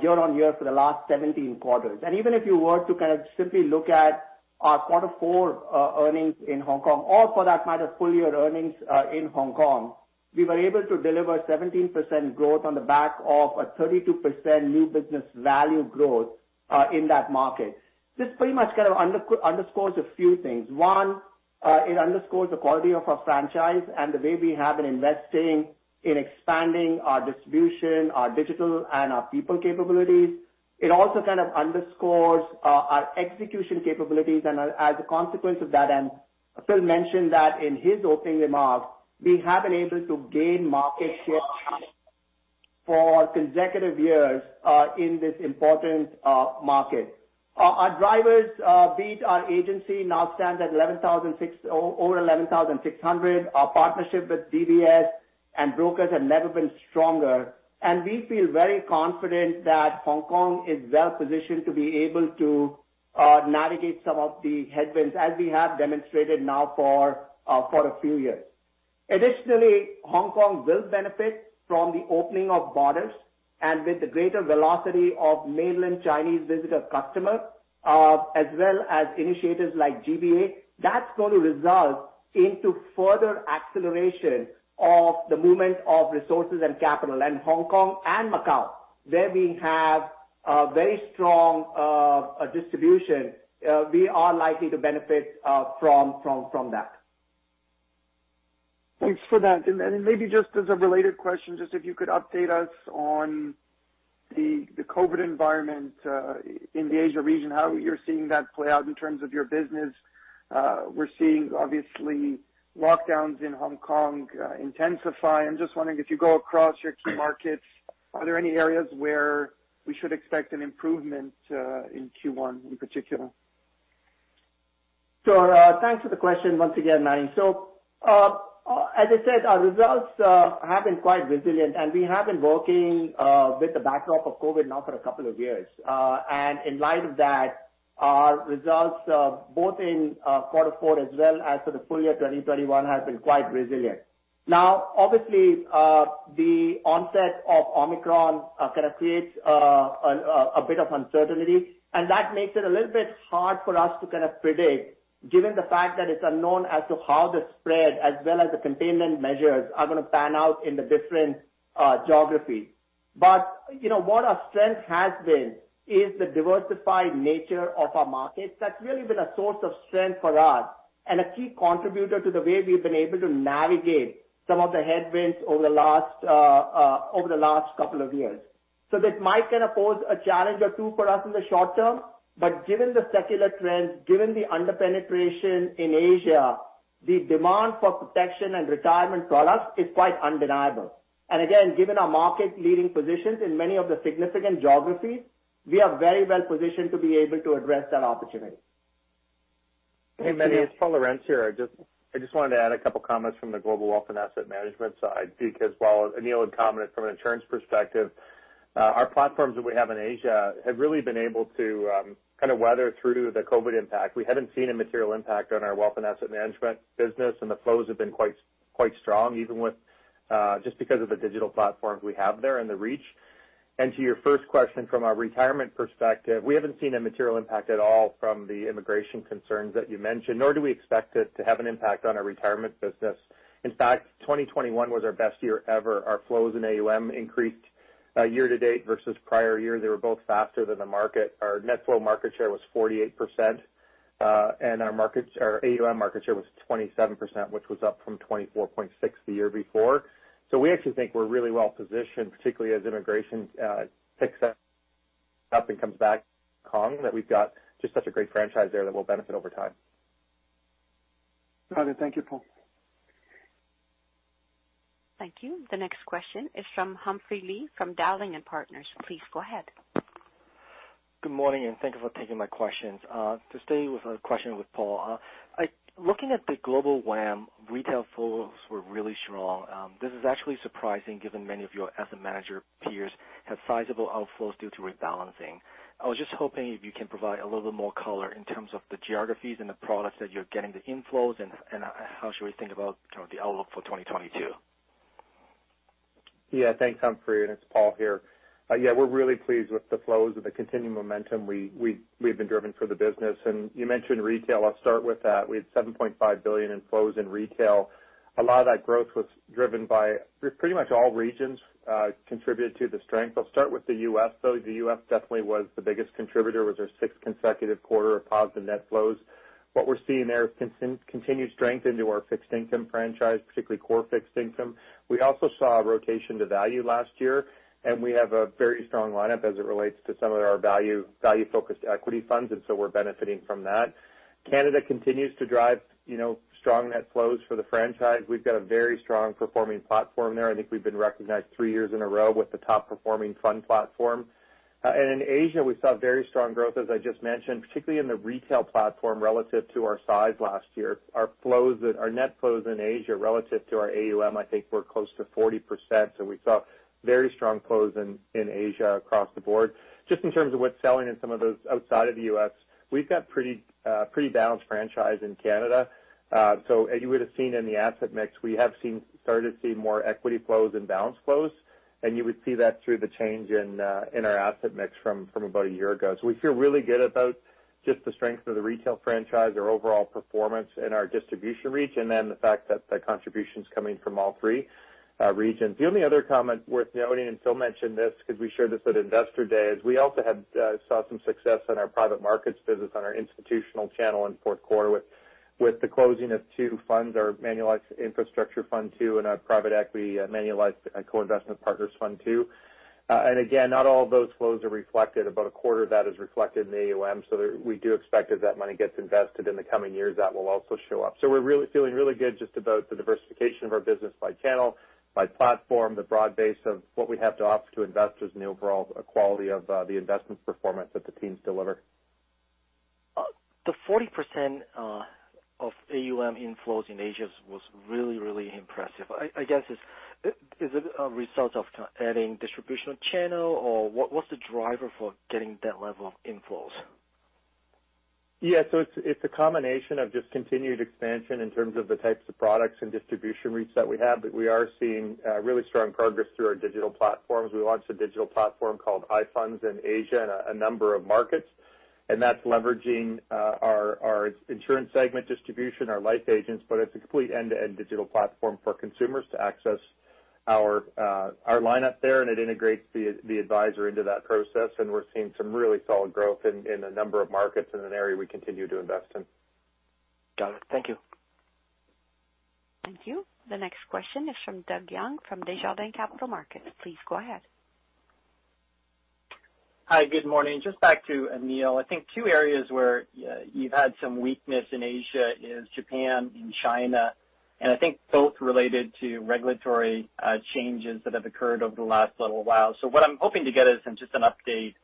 year-on-year for the last 17 quarters. Even if you were to kind of simply look at our quarter four earnings in Hong Kong, or for that matter, full year earnings in Hong Kong, we were able to deliver 17% growth on the back of a 32% new business value growth in that market. This pretty much kind of underscores a few things. It underscores the quality of our franchise and the way we have been investing in expanding our distribution, our digital and our people capabilities. It also kind of underscores our execution capabilities. As a consequence of that, and Phil mentioned that in his opening remarks, we have been able to gain market share for consecutive years in this important market. Our driver-based agency now stands at over 11,600. Our partnership with DVS and brokers has never been stronger. We feel very confident that Hong Kong is well-positioned to be able to navigate some of the headwinds, as we have demonstrated now for a few years. Additionally, Hong Kong will benefit from the opening of borders, and with the greater velocity of mainland Chinese visitor customers, as well as initiatives like GBA. That's going to result into further acceleration of the movement of resources and capital. Hong Kong and Macau, where we have a very strong distribution, we are likely to benefit from that. Thanks for that. Maybe just as a related question, just if you could update us on the COVID environment in the Asia region, how you're seeing that play out in terms of your business. We're seeing, obviously, lockdowns in Hong Kong intensify. I'm just wondering if you go across your key markets, are there any areas where we should expect an improvement in Q1 in particular? Sure. Thanks for the question once again, Meny. As I said, our results have been quite resilient, and we have been working with the backdrop of COVID now for a couple of years. In light of that, our results both in quarter four as well as for the full year 2021 have been quite resilient. Now, obviously, the onset of Omicron kind of creates a bit of uncertainty, and that makes it a little bit hard for us to kind of predict given the fact that it's unknown as to how the spread as well as the containment measures are going to pan out in the different geographies. You know, what our strength has been is the diversified nature of our markets. That's really been a source of strength for us and a key contributor to the way we've been able to navigate some of the headwinds over the last couple of years. This might kind of pose a challenge or two for us in the short term, but given the secular trend, given the under-penetration in Asia, the demand for protection and retirement products is quite undeniable. Again, given our market-leading positions in many of the significant geographies, we are very well positioned to be able to address that opportunity. Hey, Meny, it's Paul Lorentz here. I just wanted to add a couple comments from the Global Wealth and Asset Management side, because while Anil had commented from an insurance perspective, our platforms that we have in Asia have really been able to kind of weather through the COVID impact. We haven't seen a material impact on our wealth and asset management business, and the flows have been quite strong, even with just because of the digital platforms we have there and the reach. To your first question, from a retirement perspective, we haven't seen a material impact at all from the immigration concerns that you mentioned, nor do we expect it to have an impact on our retirement business. In fact, 2021 was our best year ever. Our flows in AUM increased year to date versus prior year. They were both faster than the market. Our net flow market share was 48%, and our AUM market share was 27%, which was up from 24.6% the year before. We actually think we're really well positioned, particularly as immigration picks up and comes back calm, that we've got just such a great franchise there that will benefit over time. Got it. Thank you, Paul. Thank you. The next question is from Humphrey Lee from Dowling & Partners. Please go ahead. Good morning, and thank you for taking my questions. To stay with a question with Paul, looking at the Global WAM, retail flows were really strong. This is actually surprising given many of your asset manager peers had sizable outflows due to rebalancing. I was just hoping if you can provide a little bit more color in terms of the geographies and the products that you're getting the inflows and how should we think about kind of the outlook for 2022? Yeah. Thanks, Humphrey, and it's Paul here. We're really pleased with the flows and the continuing momentum we've been driven for the business. You mentioned retail. I'll start with that. We had 7.5 billion in flows in retail. A lot of that growth was driven by pretty much all regions, contributed to the strength. I'll start with the U.S., though. The U.S. definitely was the biggest contributor, was our sixth consecutive quarter of positive net flows. What we're seeing there is continued strength into our fixed income franchise, particularly core fixed income. We also saw a rotation to value last year, and we have a very strong lineup as it relates to some of our value-focused equity funds, and so we're benefiting from that. Canada continues to drive, you know, strong net flows for the franchise. We've got a very strong performing platform there. I think we've been recognized three years in a row with the top-performing fund platform. In Asia, we saw very strong growth, as I just mentioned, particularly in the retail platform relative to our size last year. Our net flows in Asia relative to our AUM I think were close to 40%. We saw very strong flows in Asia across the board. Just in terms of what's selling in some of those outside of the U.S., we've got pretty balanced franchise in Canada. As you would have seen in the asset mix, we started to see more equity flows and balanced flows, and you would see that through the change in our asset mix from about a year ago. We feel really good about just the strength of the retail franchise, our overall performance and our distribution reach, and then the fact that the contribution's coming from all three regions. The only other comment worth noting, and Phil mentioned this because we shared this at Investor Day, is we also saw some success in our private markets business on our institutional channel in the fourth quarter with the closing of two funds, our Manulife Infrastructure Fund II and our private equity Manulife Co-Investment Partners Fund II. And again, not all of those flows are reflected. About a quarter of that is reflected in the AUM. We do expect as that money gets invested in the coming years, that will also show up. We're really feeling really good just about the diversification of our business by channel, by platform, the broad base of what we have to offer to investors, and the overall quality of the investment performance that the teams deliver. The 40% of AUM inflows in Asia was really impressive. I guess is it a result of adding distributional channel or what's the driver for getting that level of inflows? Yeah. It's a combination of just continued expansion in terms of the types of products and distribution reach that we have. We are seeing really strong progress through our digital platforms. We launched a digital platform called iFunds in Asia, in a number of markets, and that's leveraging our insurance segment distribution, our life agents. It's a complete end-to-end digital platform for consumers to access our lineup there, and it integrates the advisor into that process. We're seeing some really solid growth in a number of markets in an area we continue to invest in. Got it. Thank you. Thank you. The next question is from Doug Young from Desjardins Capital Markets. Please go ahead. Hi. Good morning. Just back to Anil. I think two areas where you've had some weakness in Asia is Japan and China, and I think both related to regulatory changes that have occurred over the last little while. What I'm hoping to get is some just an update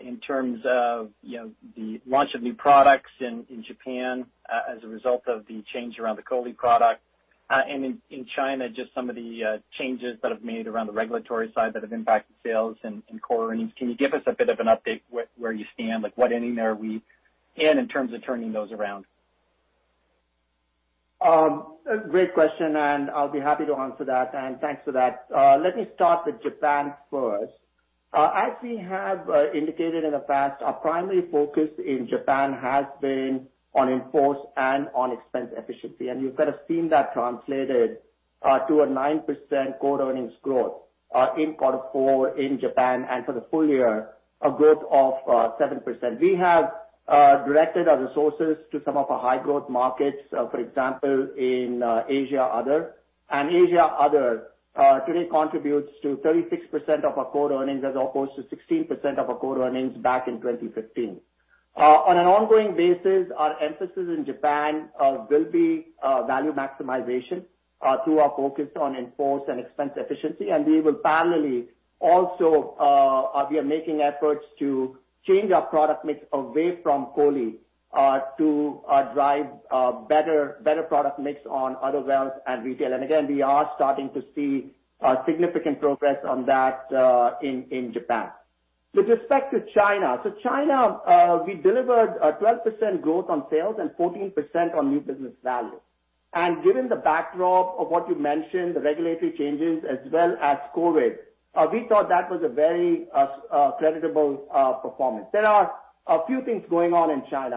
in terms of, you know, the launch of new products in Japan as a result of the change around the COLI product. And in China, just some of the changes that have made around the regulatory side that have impacted sales and core earnings. Can you give us a bit of an update where you stand? Like, what inning are we in in terms of turning those around? A great question, and I'll be happy to answer that, and thanks for that. Let me start with Japan first. As we have indicated in the past, our primary focus in Japan has been on inforce and on expense efficiency, and you kind of seen that translated to a 9% core earnings growth in quarter four in Japan, and for the full year, a growth of 7%. We have directed our resources to some of our high growth markets, for example, in Asia Other. Asia Other today contributes to 36% of our core earnings as opposed to 16% of our core earnings back in 2015. On an ongoing basis, our emphasis in Japan will be value maximization through our focus on inforce and expense efficiency. We will parallelly also, we are making efforts to change our product mix away from COLI, to drive better product mix on other wealth and retail. Again, we are starting to see significant progress on that in Japan. With respect to China, we delivered a 12% growth on sales and 14% on new business value. Given the backdrop of what you mentioned, the regulatory changes as well as COVID, we thought that was a very creditable performance. There are a few things going on in China.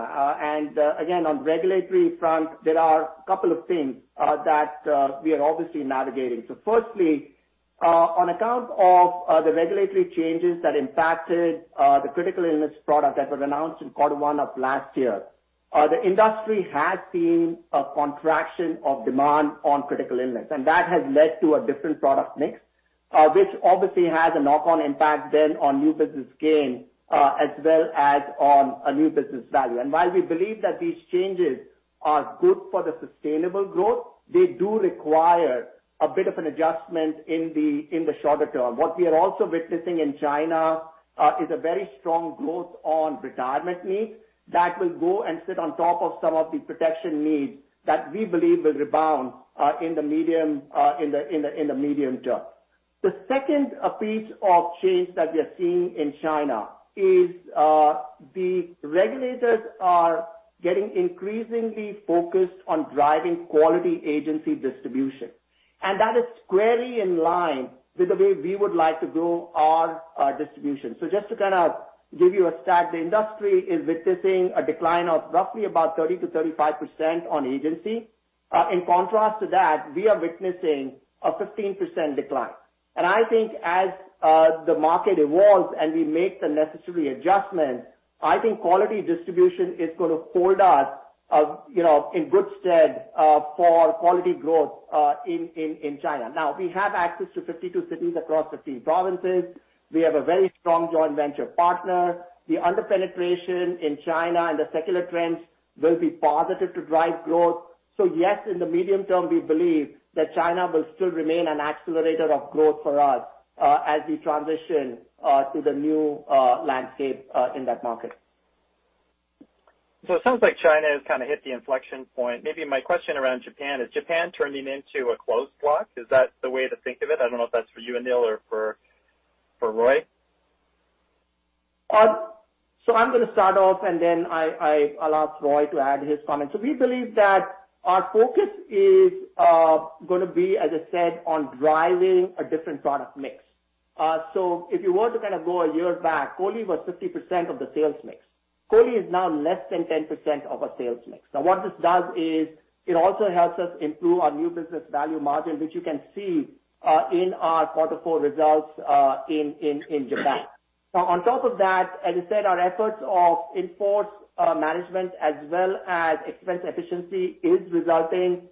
Again, on regulatory front, there are a couple of things that we are obviously navigating. Firstly, on account of the regulatory changes that impacted the critical illness product that were announced in quarter one of last year, the industry has seen a contraction of demand on critical illness, and that has led to a different product mix, which obviously has a knock-on impact then on new business gain, as well as on a new business value. While we believe that these changes are good for the sustainable growth, they do require a bit of an adjustment in the shorter term. What we are also witnessing in China is a very strong growth on retirement needs that will go and sit on top of some of the protection needs that we believe will rebound in the medium term. The second piece of change that we're seeing in China is the regulators are getting increasingly focused on driving quality agency distribution, and that is squarely in line with the way we would like to grow our distribution. Just to kind of give you a stat, the industry is witnessing a decline of roughly about 30%-35% on agency. In contrast to that, we are witnessing a 15% decline. I think as the market evolves and we make the necessary adjustments, I think quality distribution is gonna hold us, you know, in good stead for quality growth in China. Now, we have access to 52 cities across 15 provinces. We have a very strong joint venture partner. The under-penetration in China and the secular trends will be positive to drive growth. Yes, in the medium term, we believe that China will still remain an accelerator of growth for us, as we transition to the new landscape in that market. It sounds like China has kind of hit the inflection point. Maybe my question around Japan is Japan turning into a closed block? Is that the way to think of it? I don't know if that's for you, Anil, or for Roy. I'm gonna start off, and then I'll ask Roy to add his comments. We believe that our focus is gonna be, as I said, on driving a different product mix. If you were to kind of go a year back, COLI was 50% of the sales mix. COLI is now less than 10% of our sales mix. Now what this does is it also helps us improve our new business value margin, which you can see in our quarter four results in Japan. Now on top of that, as I said, our efforts of in force management as well as expense efficiency is resulting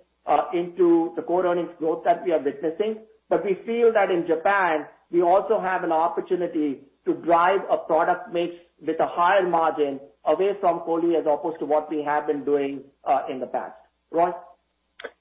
into the core earnings growth that we are witnessing. We feel that in Japan, we also have an opportunity to drive a product mix with a higher margin away from COLI as opposed to what we have been doing in the past. Ron?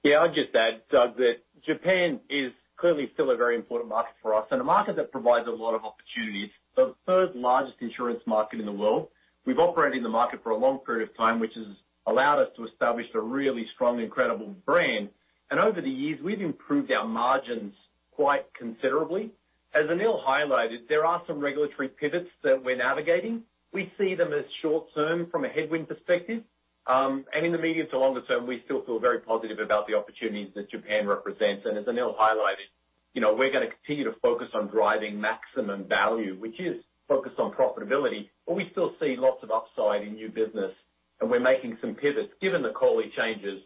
Yeah, I'll just add, Doug, that Japan is clearly still a very important market for us and a market that provides a lot of opportunities. The third-largest insurance market in the world. We've operated in the market for a long period of time, which has allowed us to establish a really strong and credible brand. Over the years, we've improved our margins quite considerably. As Anil highlighted, there are some regulatory pivots that we're navigating. We see them as short term from a headwind perspective. In the medium to longer term, we still feel very positive about the opportunities that Japan represents. As Anil highlighted, you know, we're gonna continue to focus on driving maximum value, which is focused on profitability, but we still see lots of upside in new business. We're making some pivots given the COLI changes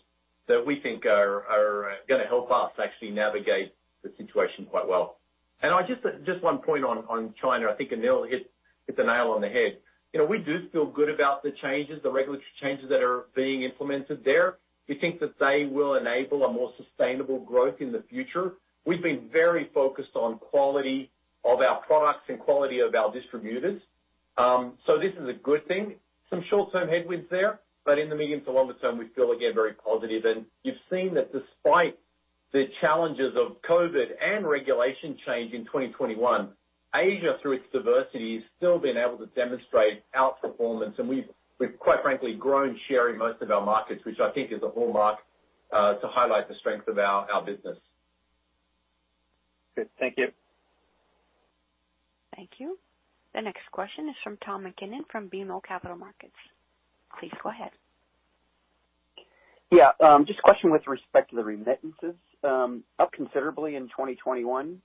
that we think are gonna help us actually navigate the situation quite well. I just one point on China. I think Anil hit the nail on the head. You know, we do feel good about the changes, the regulatory changes that are being implemented there. We think that they will enable a more sustainable growth in the future. We've been very focused on quality of our products and quality of our distributors. So this is a good thing. Some short-term headwinds there, but in the medium to longer term, we feel again, very positive. You've seen that despite the challenges of COVID and regulation change in 2021, Asia, through its diversity, has still been able to demonstrate outperformance. We've quite frankly grown share in most of our markets, which I think is a hallmark to highlight the strength of our business. Great. Thank you. Thank you. The next question is from Tom MacKinnon from BMO Capital Markets. Please go ahead. Yeah. Just a question with respect to the remittances, up considerably in 2021,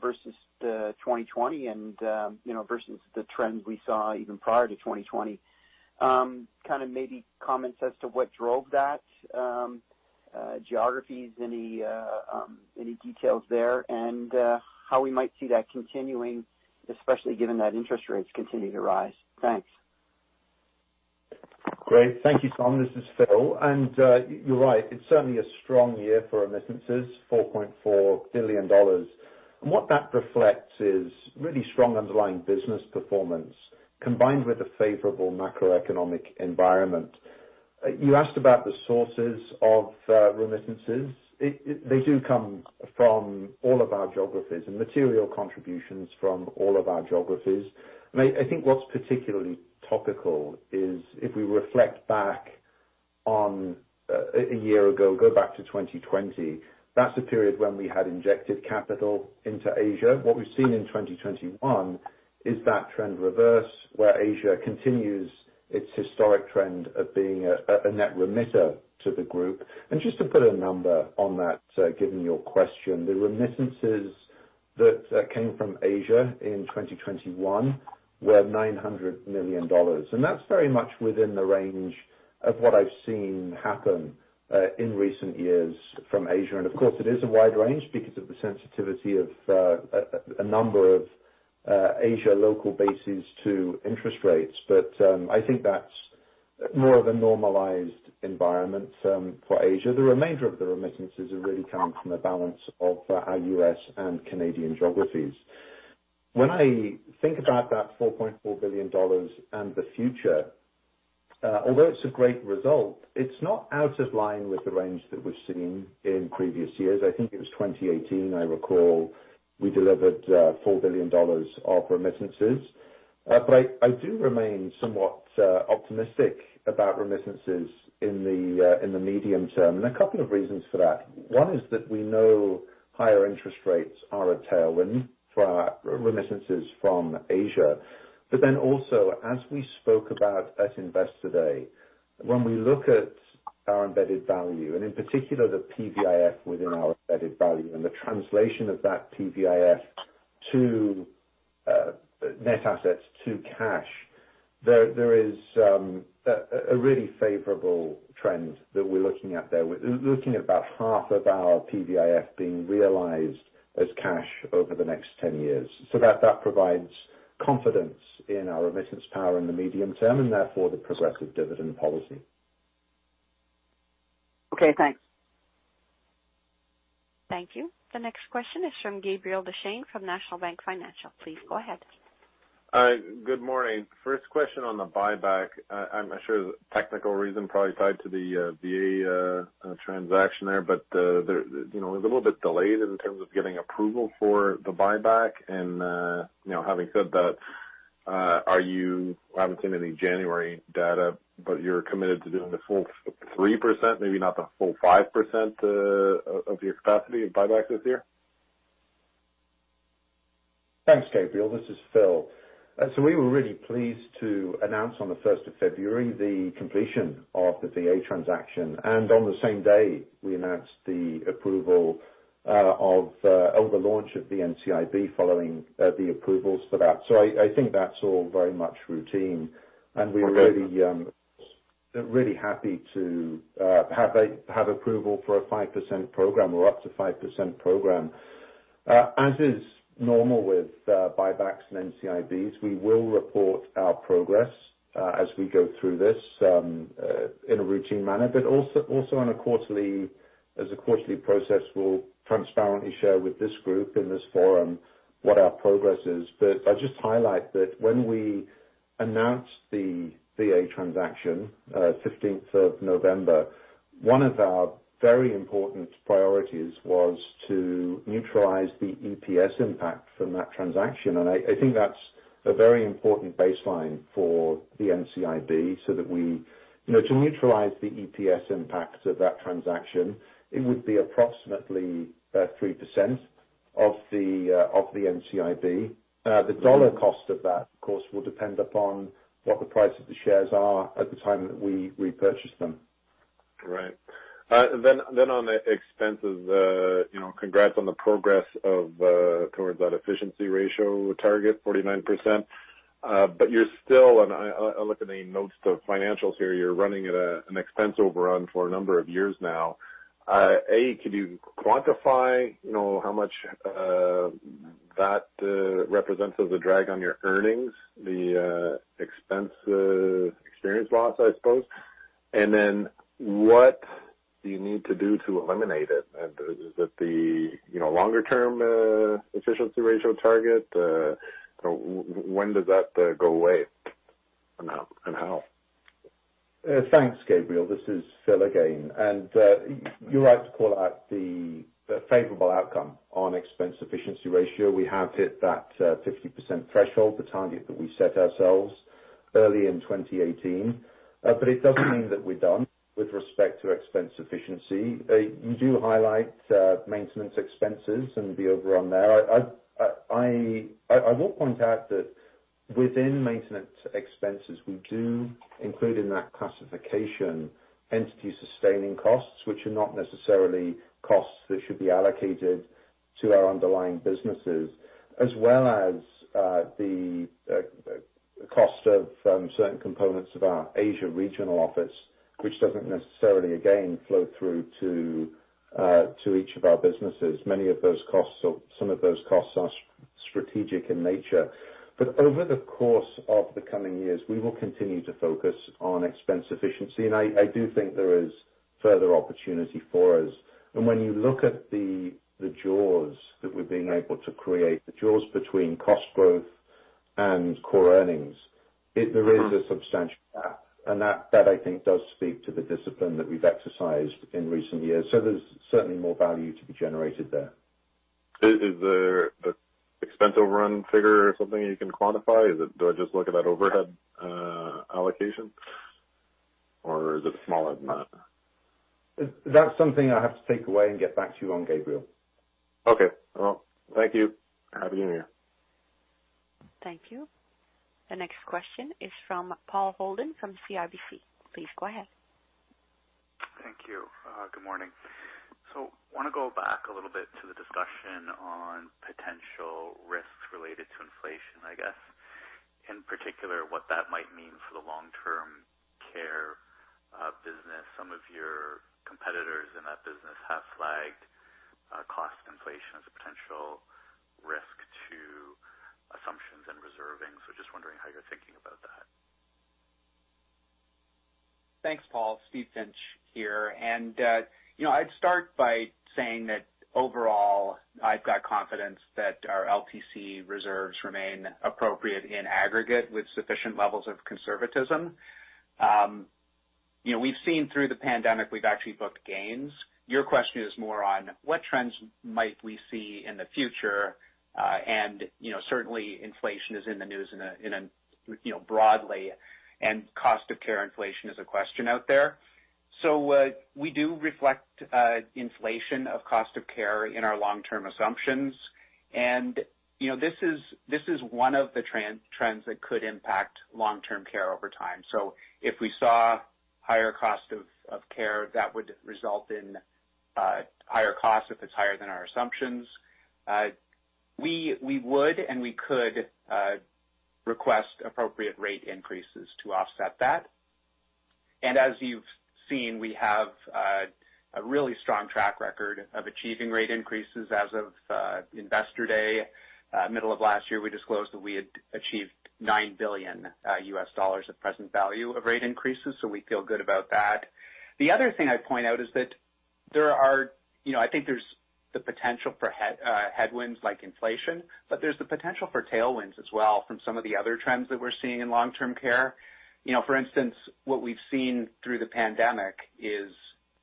versus the 2020 and, you know, versus the trends we saw even prior to 2020. Kind of maybe comments as to what drove that, any details there and, how we might see that continuing, especially given that interest rates continue to rise. Thanks. Great. Thank you, Tom. This is Phil. You're right. It's certainly a strong year for remittances, 4.4 billion dollars. What that reflects is really strong underlying business performance combined with a favorable macroeconomic environment. You asked about the sources of remittances. They do come from all of our geographies and material contributions from all of our geographies. I think what's particularly topical is if we reflect back on a year ago, go back to 2020, that's a period when we had injected capital into Asia. What we've seen in 2021 is that trend reverse, where Asia continues its historic trend of being a net remitter to the group. Just to put a number on that, given your question, the remittances that came from Asia in 2021 were $900 million, and that's very much within the range of what I've seen happen in recent years from Asia. Of course, it is a wide range because of the sensitivity of a number of Asia local bases to interest rates. I think that's more of a normalized environment for Asia. The remainder of the remittances have really come from a balance of our U.S. and Canadian geographies. When I think about that $4.4 billion and the future, although it's a great result, it's not out of line with the range that we've seen in previous years. I think it was 2018, I recall we delivered $4 billion of remittances. I do remain somewhat optimistic about remittances in the medium term, and a couple of reasons for that. One is that we know higher interest rates are a tailwind for remittances from Asia. Also, as we spoke about at Investor Day, when we look at our embedded value and in particular the PVIF within our embedded value and the translation of that PVIF to net assets to cash, there is a really favorable trend that we're looking at there. We're looking at about half of our PVIF being realized as cash over the next 10 years. That provides confidence in our remittance power in the medium term and therefore the progressive dividend policy. Okay, thanks. Thank you. The next question is from Gabriel Dechaine from National Bank Financial. Please go ahead. Good morning. First question on the buyback. I'm sure the technical reason probably tied to the VA transaction there, but there, you know, it was a little bit delayed in terms of getting approval for the buyback. Having said that, are you. I haven't seen any January data, but you're committed to doing the full 3%, maybe not the full 5%, of your capacity in buybacks this year? Thanks, Gabriel. This is Phil. We were really pleased to announce on the first of February the completion of the VA transaction, and on the same day, we announced the approval of the launch of the NCIB following the approvals for that. I think that's all very much routine. We're really—They’re really happy to have approval for a 5% program or up to 5% program. As is normal with buybacks and NCIBs, we will report our progress as we go through this in a routine manner, but also on a quarterly, as a quarterly process, we'll transparently share with this group in this forum what our progress is. I just highlight that when we announced the VA transaction, 15th of November, one of our very important priorities was to neutralize the EPS impact from that transaction. I think that's a very important baseline for the NCIB to neutralize the EPS impacts of that transaction. It would be approximately 3% of the NCIB. The dollar cost of that, of course, will depend upon what the price of the shares are at the time that we repurchase them. Right. On the expenses, you know, congrats on the progress towards that efficiency ratio target 49%. But you're still, and I look at the notes, the financials here, you're running at an expense overrun for a number of years now. Can you quantify, you know, how much that represents as a drag on your earnings, the expense experience loss, I suppose? And then what do you need to do to eliminate it? And is it the, you know, longer-term efficiency ratio target? When does that go away and how? Thanks, Gabriel. This is Phil again. You're right to call out the favorable outcome on expense efficiency ratio. We have hit that 50% threshold, the target that we set ourselves early in 2018. But it doesn't mean that we're done with respect to expense efficiency. You do highlight maintenance expenses and the overrun there. I will point out that within maintenance expenses, we do include in that classification entity sustaining costs, which are not necessarily costs that should be allocated to our underlying businesses, as well as the cost of certain components of our Asia regional office, which doesn't necessarily, again, flow through to each of our businesses. Many of those costs or some of those costs are strategic in nature. Over the course of the coming years, we will continue to focus on expense efficiency. I do think there is further opportunity for us. When you look at the jaws that we're being able to create, the jaws between cost growth and core earnings, there is a substantial gap. That I think does speak to the discipline that we've exercised in recent years. There's certainly more value to be generated there. Is the expense overrun figure something you can quantify? Do I just look at that overhead allocation or is it smaller than that? That's something I have to take away and get back to you on, Gabriel. Okay. Well, thank you. Happy New Year. Thank you. The next question is from Paul Holden from CIBC. Please go ahead. Thank you. Good morning. Want to go back a little bit to the discussion on potential risks related to inflation, I guess. In particular, what that might mean for the long-term care business. Some of your competitors in that business have flagged cost inflation as a potential risk to assumptions and reserving. Just wondering how you're thinking about that. Thanks, Paul. Steve Finch here. I'd start by saying that overall, I've got confidence that our LTC reserves remain appropriate in aggregate with sufficient levels of conservatism. We've seen through the pandemic, we've actually booked gains. Your question is more on what trends might we see in the future. Certainly inflation is in the news broadly, and cost of care inflation is a question out there. We do reflect inflation of cost of care in our long-term assumptions. This is one of the trends that could impact long-term care over time. If we saw higher cost of care, that would result in higher costs if it's higher than our assumptions. We would and we could request appropriate rate increases to offset that. As you've seen, we have a really strong track record of achieving rate increases. As of Investor Day, middle of last year, we disclosed that we had achieved $9 billion at present value of rate increases. We feel good about that. The other thing I'd point out is that there are, you know, I think there's the potential for headwinds like inflation, but there's the potential for tailwinds as well from some of the other trends that we're seeing in long-term care. You know, for instance, what we've seen through the pandemic is,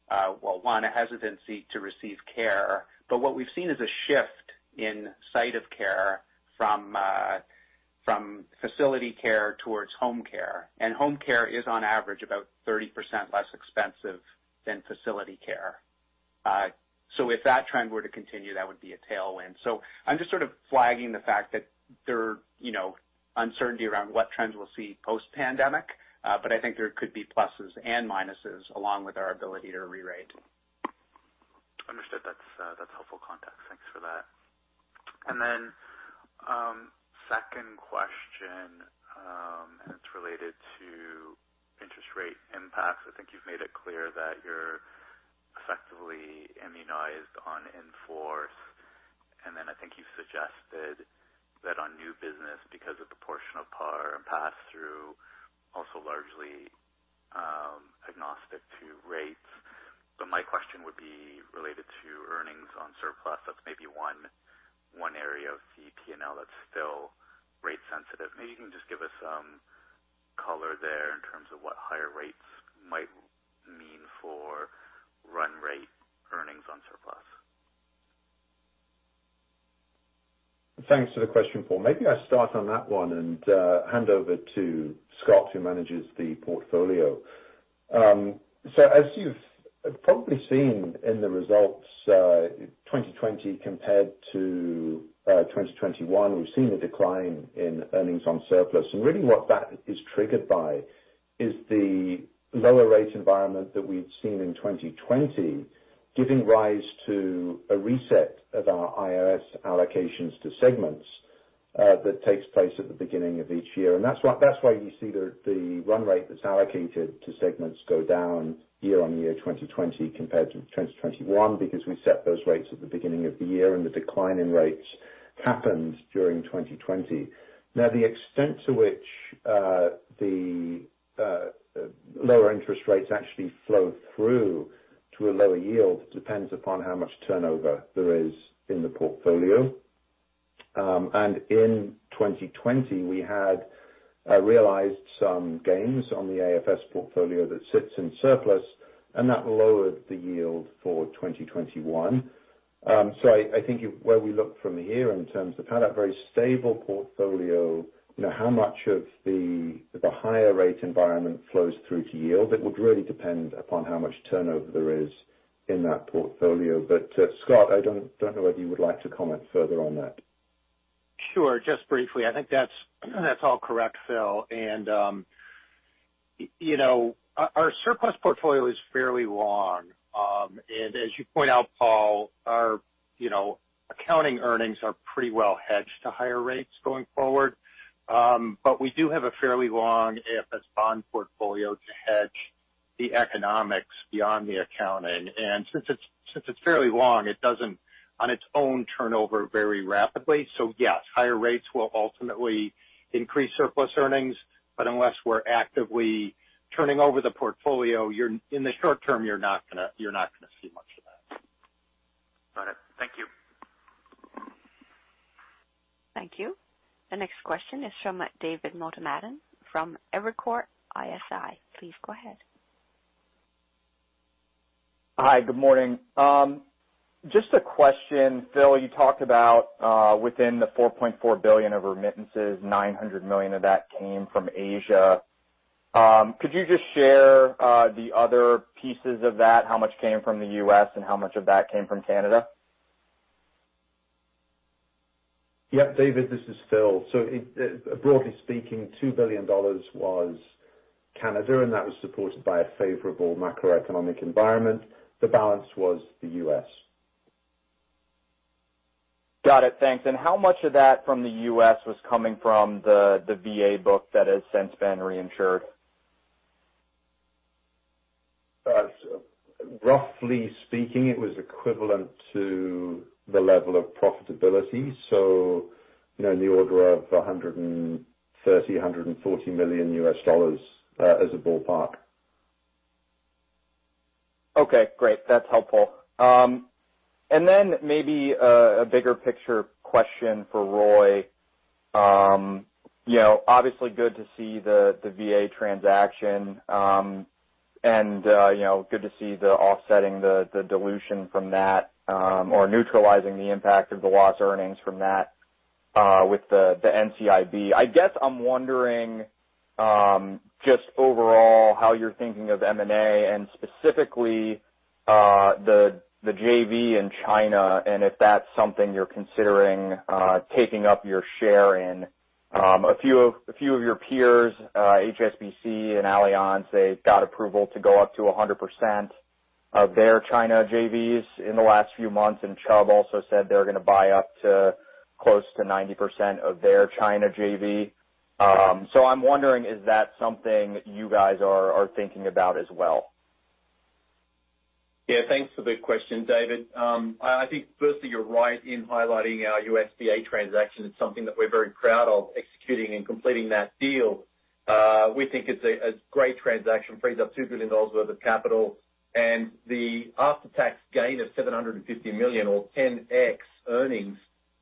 well, one, a hesitancy to receive care. What we've seen is a shift in site of care from facility care towards home care. Home care is on average about 30% less expensive than facility care. If that trend were to continue, that would be a tailwind. I'm just sort of flagging the fact that there, you know, uncertainty around what trends we'll see post-pandemic, but I think there could be pluses and minuses along with our ability to re-rate. Understood. That's that's helpful context. Thanks for that. Second question, and it's related to interest rate impacts. I think you've made it clear that you're effectively immunized on in-force. I think you suggested that on new business because of the portion of par and pass-through, also largely, agnostic to rates. My question would be related to earnings on surplus. That's maybe one area of CTNL that's still rate sensitive. Maybe you can just give us some color there in terms of what higher rates might mean for run rate earnings on surplus. Thanks for the question, Paul. Maybe I start on that one and hand over to Scott, who manages the portfolio. So as you've probably seen in the results, 2020 compared to 2021, we've seen a decline in earnings on surplus. Really what that is triggered by is the lower rate environment that we'd seen in 2020 giving rise to a reset of our IRR allocations to segments that takes place at the beginning of each year. That's why you see the run rate that's allocated to segments go down year on year 2020 compared to 2021, because we set those rates at the beginning of the year and the decline in rates happened during 2020. Now, the extent to which the lower interest rates actually flow through to a lower yield depends upon how much turnover there is in the portfolio. In 2020, we had realized some gains on the AFS portfolio that sits in surplus, and that lowered the yield for 2021. I think where we look from here in terms of how that very stable portfolio, you know, how much of the higher rate environment flows through to yield, it would really depend upon how much turnover there is in that portfolio. Scott, I don't know whether you would like to comment further on that. Sure. Just briefly. I think that's all correct, Phil. You know, our surplus portfolio is fairly long. As you point out, Paul, our you know, accounting earnings are pretty well hedged to higher rates going forward. We do have a fairly long AFS bond portfolio to hedge the economics beyond the accounting. Since it's fairly long, it doesn't on its own turn over very rapidly. Yes, higher rates will ultimately increase surplus earnings, but unless we're actively turning over the portfolio, in the short term you're not gonna see much of that. Got it. Thank you. Thank you. The next question is from David Motemaden from Evercore ISI. Please go ahead. Hi, good morning. Just a question. Phil, you talked about, within the 4.4 billion of remittances, 900 million of that came from Asia. Could you just share the other pieces of that? How much came from the U.S. and how much of that came from Canada? Yeah, David, this is Phil. Broadly speaking, 2 billion dollars was Canada, and that was supported by a favorable macroeconomic environment. The balance was the U.S. Got it. Thanks. How much of that from the U.S. was coming from the VA book that has since been reinsured? Roughly speaking, it was equivalent to the level of profitability, so you know, in the order of $130 million-$140 million, as a ballpark. Okay, great. That's helpful. Maybe a bigger picture question for Roy. You know, obviously good to see the VA transaction, and you know, good to see offsetting the dilution from that, or neutralizing the impact of the lost earnings from that, with the NCIB. I guess I'm wondering, just overall how you're thinking of M&A and specifically, the JV in China, and if that's something you're considering, taking up your share in. A few of your peers, HSBC and Allianz, they've got approval to go up to 100% of their China JVs in the last few months, and Chubb also said they're gonna buy up to close to 90% of their China JV. I'm wondering, is that something you guys are thinking about as well? Yeah, thanks for the question, David. I think firstly, you're right in highlighting our U.S. VA transaction. It's something that we're very proud of executing and completing that deal. We think it's a great transaction, frees up $2 billion worth of capital. The after-tax gain of $750 million or 10x earnings,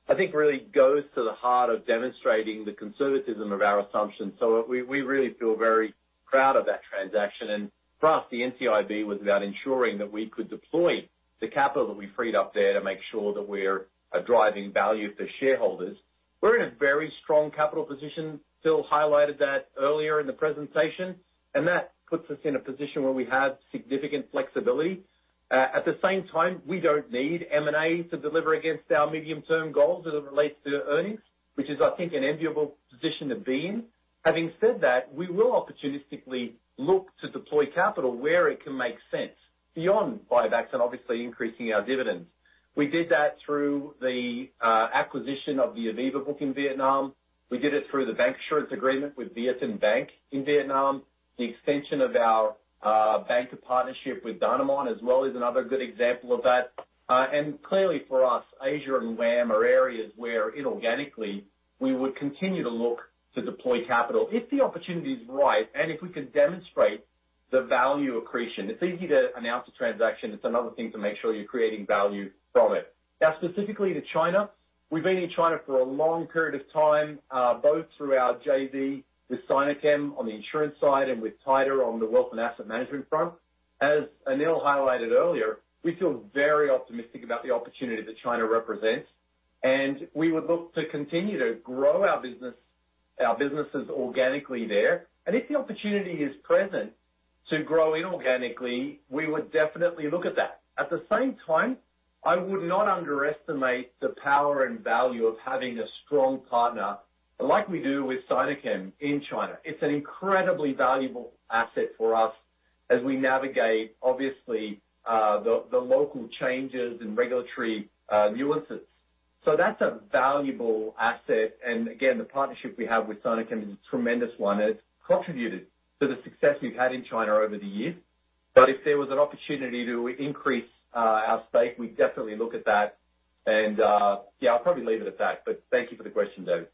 I think really goes to the heart of demonstrating the conservatism of our assumptions. We really feel very proud of that transaction. For us, the NCIB was about ensuring that we could deploy the capital that we freed up there to make sure that we're driving value for shareholders. We're in a very strong capital position. Phil highlighted that earlier in the presentation, and that puts us in a position where we have significant flexibility. At the same time, we don't need M&A to deliver against our medium-term goals as it relates to earnings, which is, I think, an enviable position to be in. Having said that, we will opportunistically look to deploy capital where it can make sense beyond buybacks and obviously increasing our dividends. We did that through the acquisition of the Aviva book in Vietnam. We did it through the bancassurance agreement with VietinBank in Vietnam. The extension of our banker partnership with Danamon as well is another good example of that. Clearly for us, Asia and WAM are areas where inorganically we would continue to look to deploy capital if the opportunity is right and if we can demonstrate the value accretion. It's easy to announce a transaction, it's another thing to make sure you're creating value from it. Now, specifically to China, we've been in China for a long period of time, both through our JV with Sinochem on the insurance side and with TEDA on the wealth and asset management front. As Anil highlighted earlier, we feel very optimistic about the opportunity that China represents, and we would look to continue to grow our business, our businesses organically there. If the opportunity is present to grow inorganically, we would definitely look at that. At the same time, I would not underestimate the power and value of having a strong partner like we do with Sinochem in China. It's an incredibly valuable asset for us as we navigate, obviously, the local changes in regulatory nuances. So that's a valuable asset. Again, the partnership we have with Sinochem is a tremendous one, and it's contributed to the success we've had in China over the years. If there was an opportunity to increase our stake, we'd definitely look at that. Yeah, I'll probably leave it at that. Thank you for the question, David.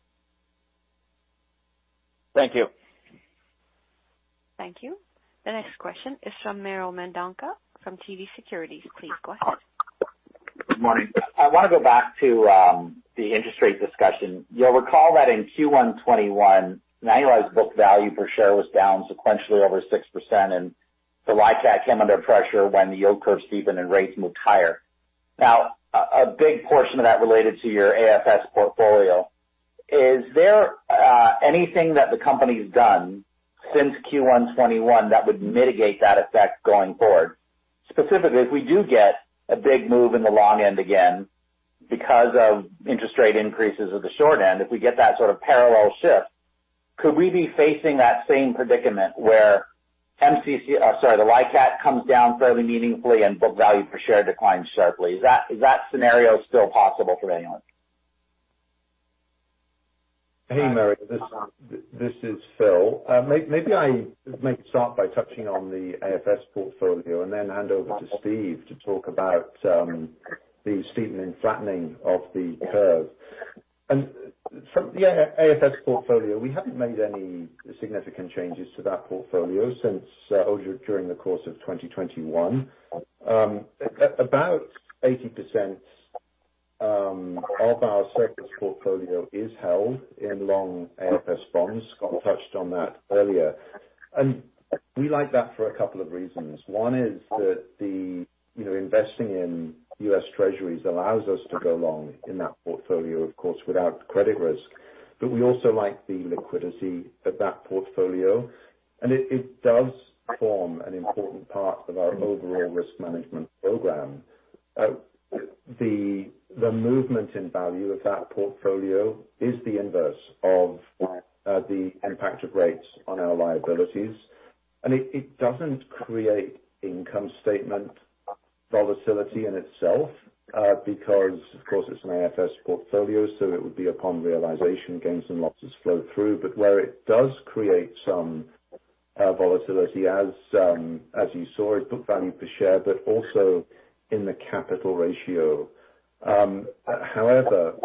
Thank you. Thank you. The next question is from Mario Mendonca from TD Securities. Please go ahead. Good morning. I wanna go back to the interest rate discussion. You'll recall that in Q1 2021, Manulife's book value per share was down sequentially over 6%, and the LICAT came under pressure when the yield curve steepened and rates moved higher. Now, a big portion of that related to your AFS portfolio. Is there anything that the company's done since Q1 2021 that would mitigate that effect going forward? Specifically, if we do get a big move in the long end again because of interest rate increases at the short end, if we get that sort of parallel shift, could we be facing that same predicament where the LICAT comes down fairly meaningfully and book value per share declines sharply. Is that scenario still possible for Manulife? Hey, Mario. This is Phil. Maybe I start by touching on the AFS portfolio and then hand over to Steve to talk about the steepening and flattening of the curve. From the AFS portfolio, we haven't made any significant changes to that portfolio since or during the course of 2021. About 80% of our surplus portfolio is held in long AFS bonds. Scott touched on that earlier. We like that for a couple of reasons. One is that you know, investing in U.S. Treasuries allows us to go long in that portfolio, of course, without credit risk. We also like the liquidity of that portfolio, and it does form an important part of our overall risk management program. The movement in value of that portfolio is the inverse of the impact of rates on our liabilities. It doesn't create income statement volatility in itself because, of course, it's an AFS portfolio, so it would be upon realization gains and losses flow through. Where it does create some volatility as you saw in book value per share, but also in the capital ratio. However,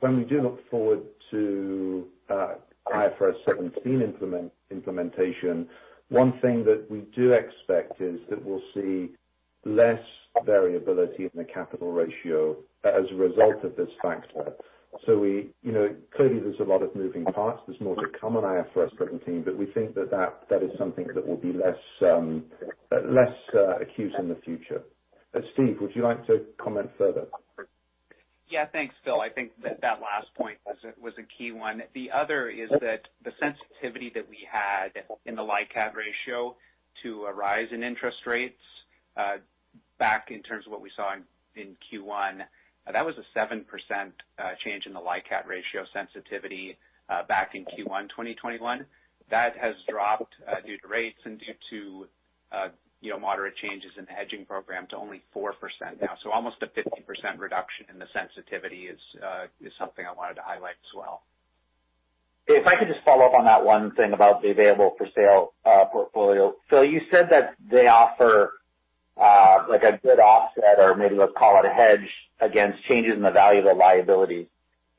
when we do look forward to IFRS 17 implementation, one thing that we do expect is that we'll see less variability in the capital ratio as a result of this factor. You know, clearly there's a lot of moving parts. There's more to come on IFRS 17, but we think that is something that will be less acute in the future. Steve, would you like to comment further? Yeah. Thanks, Phil. I think that last point was a key one. The other is that the sensitivity that we had in the LICAT ratio to a rise in interest rates back in terms of what we saw in Q1, that was a 7% change in the LICAT ratio sensitivity back in Q1 2021. That has dropped due to rates and due to you know moderate changes in the hedging program to only 4% now. Almost a 50% reduction in the sensitivity is something I wanted to highlight as well. If I could just follow up on that one thing about the available-for-sale portfolio. Phil, you said that they offer like a good offset or maybe let's call it a hedge against changes in the value of the liabilities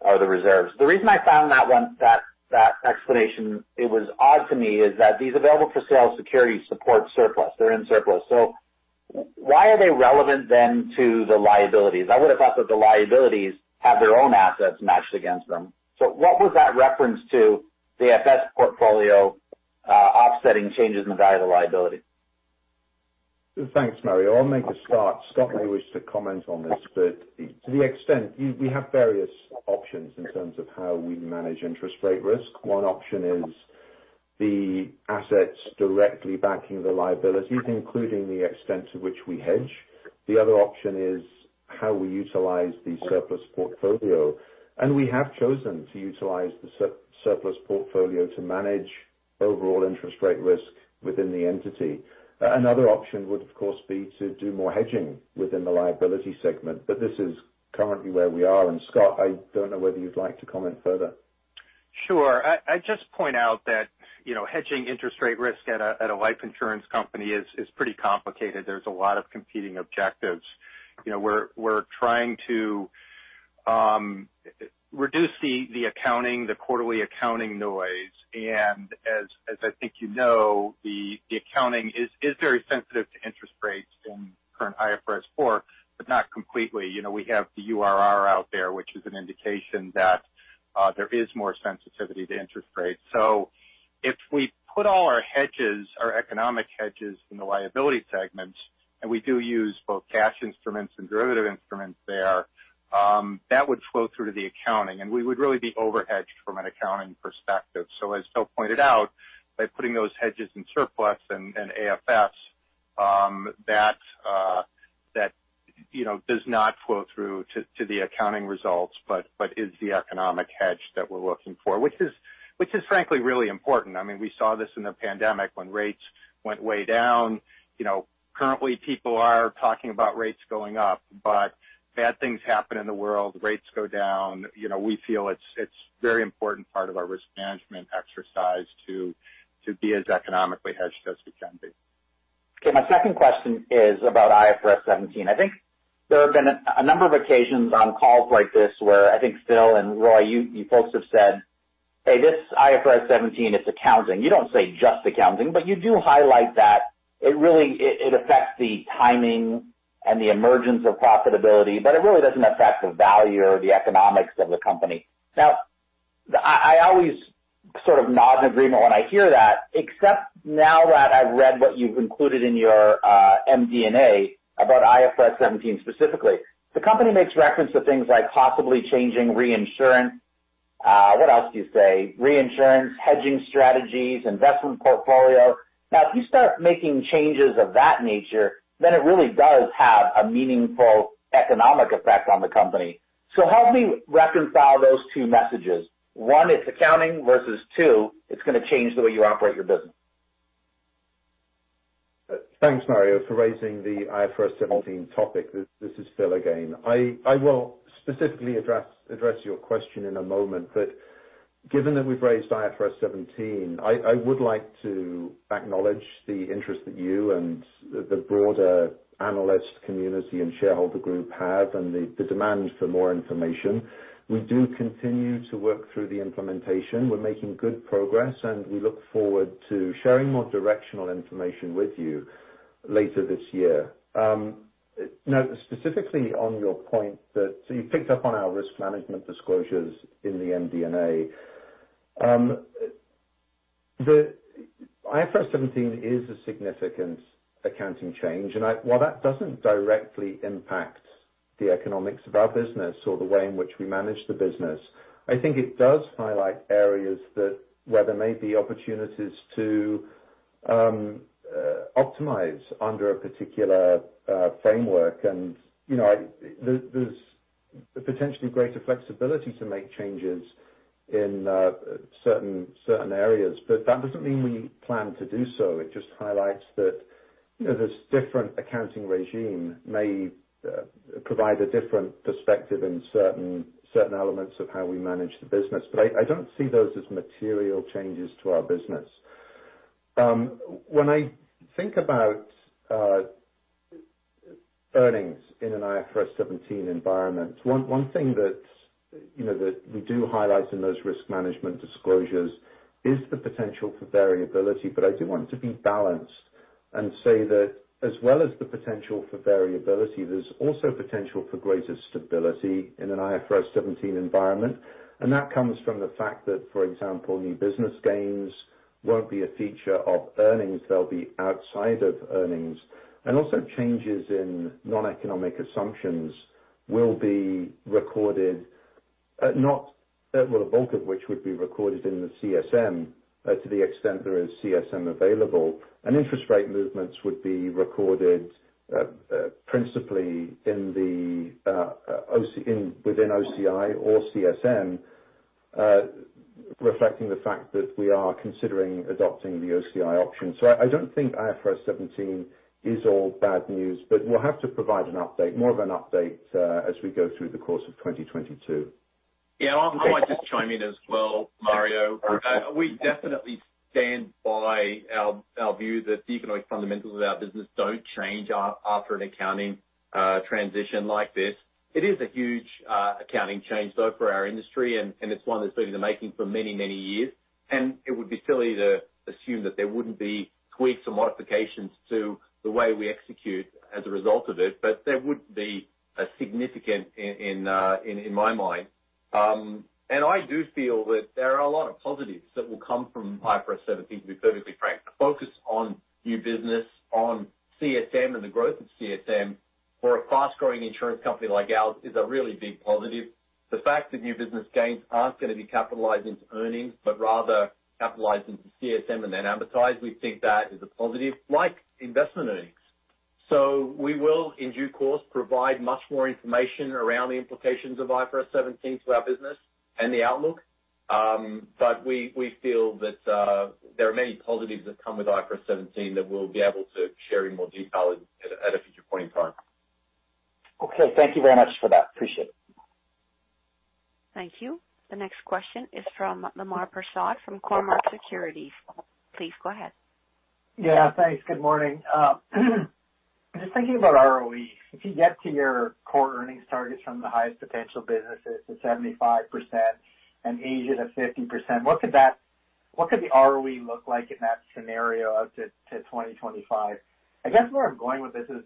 or the reserves. The reason I found that explanation it was odd to me is that these available-for-sale securities support surplus. They're in surplus. So why are they relevant then to the liabilities? I would have thought that the liabilities have their own assets matched against them. So what was that reference to the AFS portfolio offsetting changes in the value of the liability? Thanks, Mario. I'll make a start. Scott may wish to comment on this. To the extent we have various options in terms of how we manage interest rate risk. One option is the assets directly backing the liabilities, including the extent to which we hedge. The other option is how we utilize the surplus portfolio. We have chosen to utilize the surplus portfolio to manage overall interest rate risk within the entity. Another option would, of course, be to do more hedging within the liability segment, but this is currently where we are. Scott, I don't know whether you'd like to comment further. Sure. I just point out that, you know, hedging interest rate risk at a life insurance company is pretty complicated. There's a lot of competing objectives. You know, we're trying to reduce the quarterly accounting noise. As I think you know, the accounting is very sensitive to interest rates in current IFRS 4, but not completely. You know, we have the URR out there, which is an indication that there is more sensitivity to interest rates. So if we put all our hedges, our economic hedges in the liability segments, and we do use both cash instruments and derivative instruments there, that would flow through to the accounting, and we would really be overhedged from an accounting perspective. As Phil pointed out, by putting those hedges in surplus and AFS, that you know does not flow through to the accounting results, but is the economic hedge that we're looking for, which is frankly really important. I mean, we saw this in the pandemic when rates went way down. You know, currently people are talking about rates going up, but bad things happen in the world, rates go down. You know, we feel it's very important part of our risk management exercise to be as economically hedged as we can be. Okay. My second question is about IFRS 17. I think there have been a number of occasions on calls like this where I think Phil and Roy, you folks have said, "Hey, this IFRS 17 is accounting." You don't say just accounting, but you do highlight that it really affects the timing and the emergence of profitability, but it really doesn't affect the value or the economics of the company. Now, I always sort of nod in agreement when I hear that, except now that I've read what you've included in your MD&A about IFRS 17 specifically. The company makes reference to things like possibly changing reinsurance. What else do you say? Reinsurance, hedging strategies, investment portfolio. Now, if you start making changes of that nature, then it really does have a meaningful economic effect on the company. Help me reconcile those two messages. One, it's accounting versus two, it's gonna change the way you operate your business. Thanks, Mario, for raising the IFRS 17 topic. This is Phil again. I will specifically address your question in a moment, but given that we've raised IFRS 17, I would like to acknowledge the interest that you and the broader analyst community and shareholder group have, and the demand for more information. We do continue to work through the implementation. We're making good progress, and we look forward to sharing more directional information with you later this year. Now specifically on your point that you picked up on our risk management disclosures in the MD&A. The IFRS 17 is a significant accounting change. While that doesn't directly impact the economics of our business or the way in which we manage the business, I think it does highlight areas where there may be opportunities to optimize under a particular framework. You know, there's potentially greater flexibility to make changes in certain areas. But that doesn't mean we plan to do so. It just highlights that, you know, this different accounting regime may provide a different perspective in certain elements of how we manage the business. But I don't see those as material changes to our business. When I think about earnings in an IFRS 17 environment, one thing that, you know, that we do highlight in those risk management disclosures is the potential for variability. I do want to be balanced and say that as well as the potential for variability, there's also potential for greater stability in an IFRS 17 environment, and that comes from the fact that, for example, new business gains won't be a feature of earnings, they'll be outside of earnings. Also changes in non-economic assumptions will be recorded. Well, the bulk of which would be recorded in the CSM, to the extent there is CSM available. Interest rate movements would be recorded principally within OCI or CSM, reflecting the fact that we are considering adopting the OCI option. I don't think IFRS 17 is all bad news, but we'll have to provide an update, more of an update, as we go through the course of 2022. Yeah. I might just chime in as well, Mario. We definitely stand by our view that the economic fundamentals of our business don't change after an accounting transition like this. It is a huge accounting change though for our industry, and it's one that's been in the making for many years. It would be silly to assume that there wouldn't be tweaks or modifications to the way we execute as a result of it, but there wouldn't be a significant in my mind. I do feel that there are a lot of positives that will come from IFRS 17, to be perfectly frank. The focus on new business, on CSM and the growth of CSM for a fast-growing insurance company like ours is a really big positive. The fact that new business gains aren't going to be capitalized into earnings, but rather capitalized into CSM and then amortized, we think that is a positive, like investment earnings. We will, in due course, provide much more information around the implications of IFRS 17 to our business and the outlook. We feel that there are many positives that come with IFRS 17 that we'll be able to share in more detail at a future point in time. Okay. Thank you very much for that. Appreciate it. Thank you. The next question is from Lemar Persaud from Cormark Securities. Please go ahead. Yeah. Thanks. Good morning. Just thinking about ROE. If you get to your core earnings targets from the highest potential businesses to 75% and Asia to 50%, what could the ROE look like in that scenario out to 2025? I guess where I'm going with this is,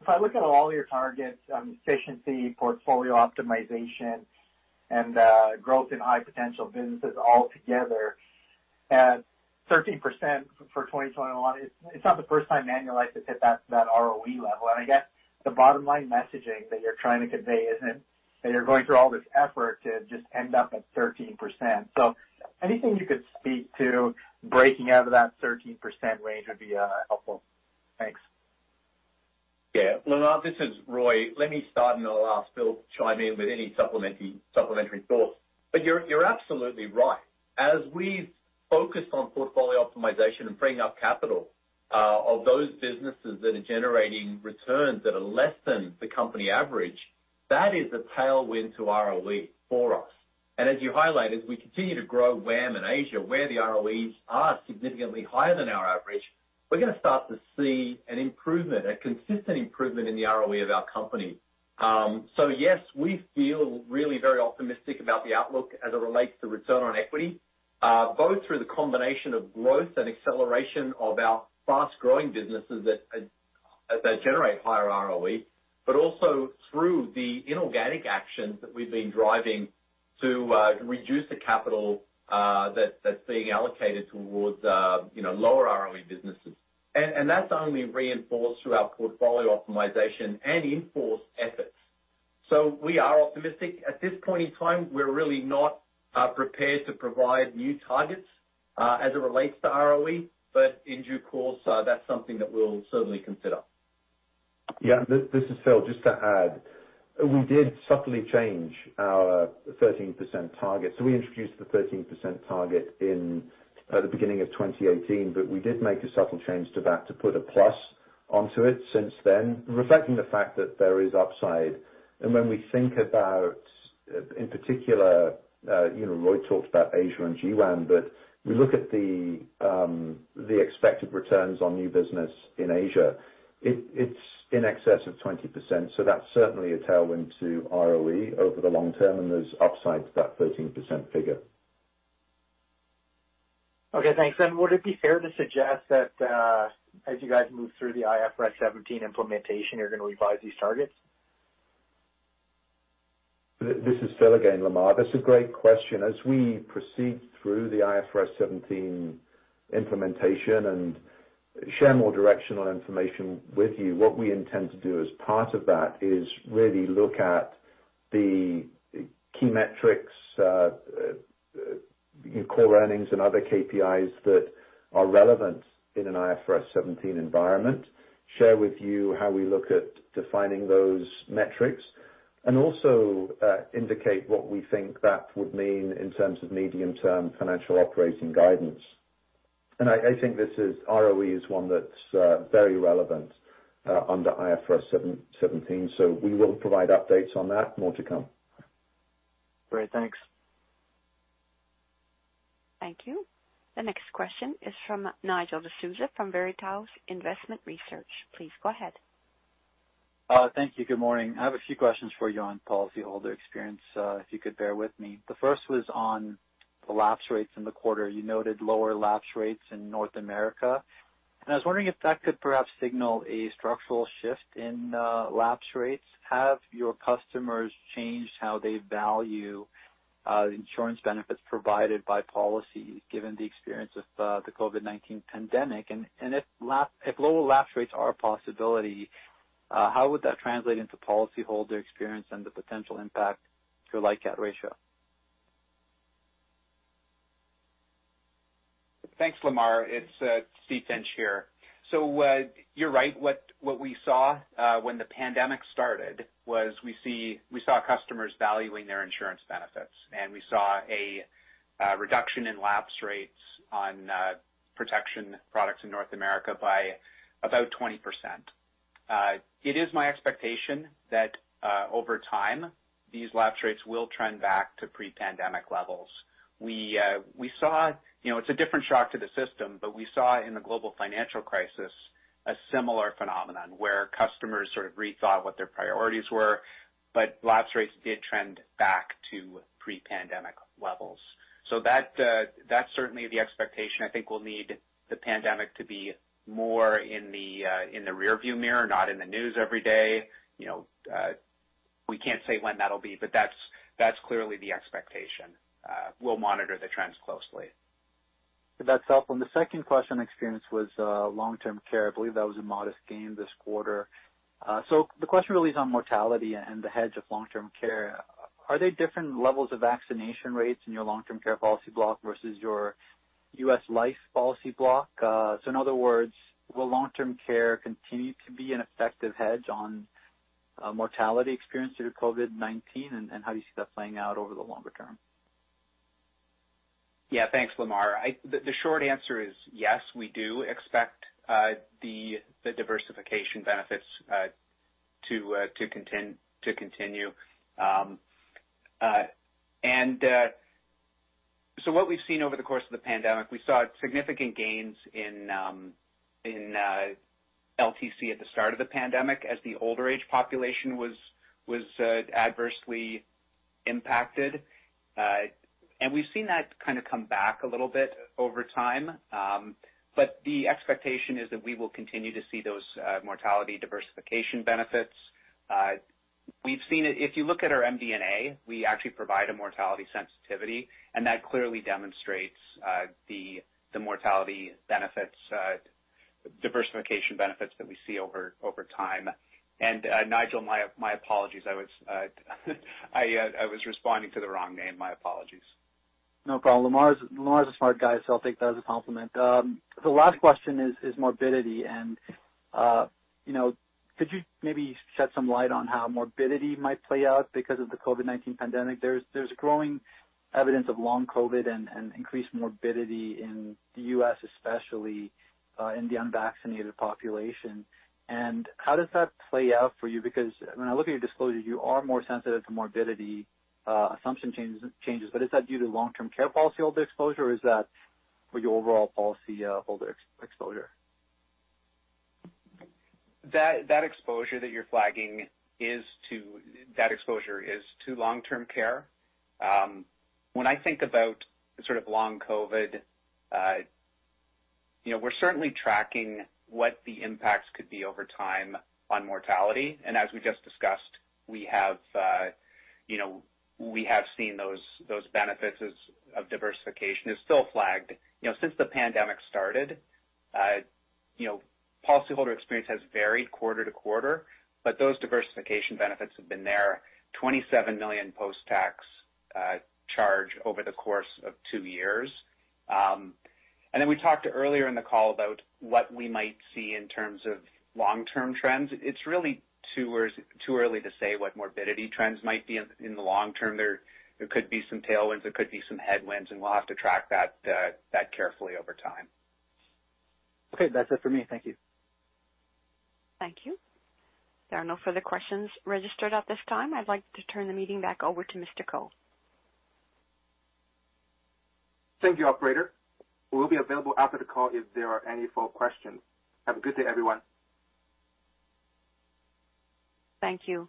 if I look at all your targets on efficiency, portfolio optimization, and growth in high potential businesses all together at 13% for 2021, it's not the first time Manulife has hit that ROE level. I guess the bottom line messaging that you're trying to convey isn't that you're going through all this effort to just end up at 13%. Anything you could speak to breaking out of that 13% range would be helpful. Thanks. Yeah. Lemar, this is Roy. Let me start, and I'll ask Phil to chime in with any supplementary thoughts. But you're absolutely right. As we've focused on portfolio optimization and freeing up capital of those businesses that are generating returns that are less than the company average, that is a tailwind to ROE for us. As you highlighted, we continue to grow WAM in Asia, where the ROEs are significantly higher than our average, we're going to start to see an improvement, a consistent improvement in the ROE of our company. Yes, we feel really very optimistic about the outlook as it relates to return on equity, both through the combination of growth and acceleration of our fast-growing businesses that generate higher ROE, but also through the inorganic actions that we've been driving to reduce the capital that's being allocated towards, you know, lower ROE businesses. That's only reinforced through our portfolio optimization and in-force efforts. We are optimistic. At this point in time, we're really not prepared to provide new targets as it relates to ROE, but in due course, that's something that we'll certainly consider. This is Phil. Just to add, we did subtly change our 13% target. We introduced the 13% target in the beginning of 2018, but we did make a subtle change to that to put a plus onto it since then, reflecting the fact that there is upside. When we think about, in particular, you know, Roy talked about Asia and GWAM, but we look at the expected returns on new business in Asia, it's in excess of 20%. That's certainly a tailwind to ROE over the long term and there's upside to that 13% figure. Okay, thanks. Would it be fair to suggest that, as you guys move through the IFRS 17 implementation, you're going to revise these targets? This is Phil again, Lemar. That's a great question. As we proceed through the IFRS 17 implementation and share more directional information with you, what we intend to do as part of that is really look at the key metrics, core earnings and other KPIs that are relevant in an IFRS 17 environment, share with you how we look at defining those metrics, and also indicate what we think that would mean in terms of medium-term financial operating guidance. I think this, ROE is one that's very relevant under IFRS 17. We will provide updates on that. More to come. Great. Thanks. Thank you. The next question is from Nigel D'Souza from Veritas Investment Research. Please go ahead. Thank you. Good morning. I have a few questions for you on policyholder experience, if you could bear with me. The first was on the lapse rates in the quarter. You noted lower lapse rates in North America, and I was wondering if that could perhaps signal a structural shift in lapse rates. Have your customers changed how they value insurance benefits provided by policy given the experience of the COVID-19 pandemic? If lower lapse rates are a possibility, how would that translate into policyholder experience and the potential impact to a LICAT ratio? Thanks, Lemar. It's Steve Finch here. You're right. What we saw when the pandemic started was we saw customers valuing their insurance benefits, and we saw a reduction in lapse rates on protection products in North America by about 20%. It is my expectation that over time, these lapse rates will trend back to pre-pandemic levels. We saw. You know, it's a different shock to the system, but we saw in the global financial crisis a similar phenomenon where customers sort of rethought what their priorities were, but lapse rates did trend back to pre-pandemic levels. That's certainly the expectation. I think we'll need the pandemic to be more in the rearview mirror, not in the news every day. You know, we can't say when that'll be, but that's clearly the expectation. We'll monitor the trends closely. That's helpful. The second question on experience was, long-term care. I believe that was a modest gain this quarter. The question really is on mortality and the hedge of long-term care. Are they different levels of vaccination rates in your long-term care policy block versus your U.S. life policy block? In other words, will long-term care continue to be an effective hedge on, mortality experience due to COVID-19? How do you see that playing out over the longer term? Yeah. Thanks, Lemar. The short answer is yes, we do expect the diversification benefits to continue. What we've seen over the course of the pandemic, we saw significant gains in LTC at the start of the pandemic as the older age population was adversely impacted. We've seen that kind of come back a little bit over time. The expectation is that we will continue to see those mortality diversification benefits. We've seen it. If you look at our MD&A, we actually provide a mortality sensitivity, and that clearly demonstrates the mortality benefits, diversification benefits that we see over time. Nigel, my apologies. I was responding to the wrong name. My apologies. No problem. Lemar's a smart guy, so I'll take that as a compliment. The last question is morbidity. You know, could you maybe shed some light on how morbidity might play out because of the COVID-19 pandemic? There's growing evidence of long COVID and increased morbidity in the U.S., especially in the unvaccinated population. How does that play out for you? Because when I look at your disclosure, you are more sensitive to morbidity assumption changes. But is that due to long-term care policyholder exposure or is that for your overall policyholder exposure? That exposure that you're flagging is to long-term care. When I think about sort of long COVID, you know, we're certainly tracking what the impacts could be over time on mortality. As we just discussed, we have, you know, we have seen those benefits of diversification is still flagged. You know, since the pandemic started, you know, policyholder experience has varied quarter to quarter, but those diversification benefits have been there, 27 million post-tax charge over the course of two years. Then we talked earlier in the call about what we might see in terms of long-term trends. It's really too early to say what morbidity trends might be in the long term. There could be some tailwinds, there could be some headwinds, and we'll have to track that carefully over time. Okay. That's it for me. Thank you. Thank you. There are no further questions registered at this time. I'd like to turn the meeting back over to Mr. Ko. Thank you, operator. We will be available after the call if there are any follow questions. Have a good day, everyone. Thank you.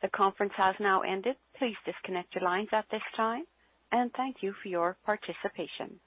The conference has now ended. Please disconnect your lines at this time, and thank you for your participation.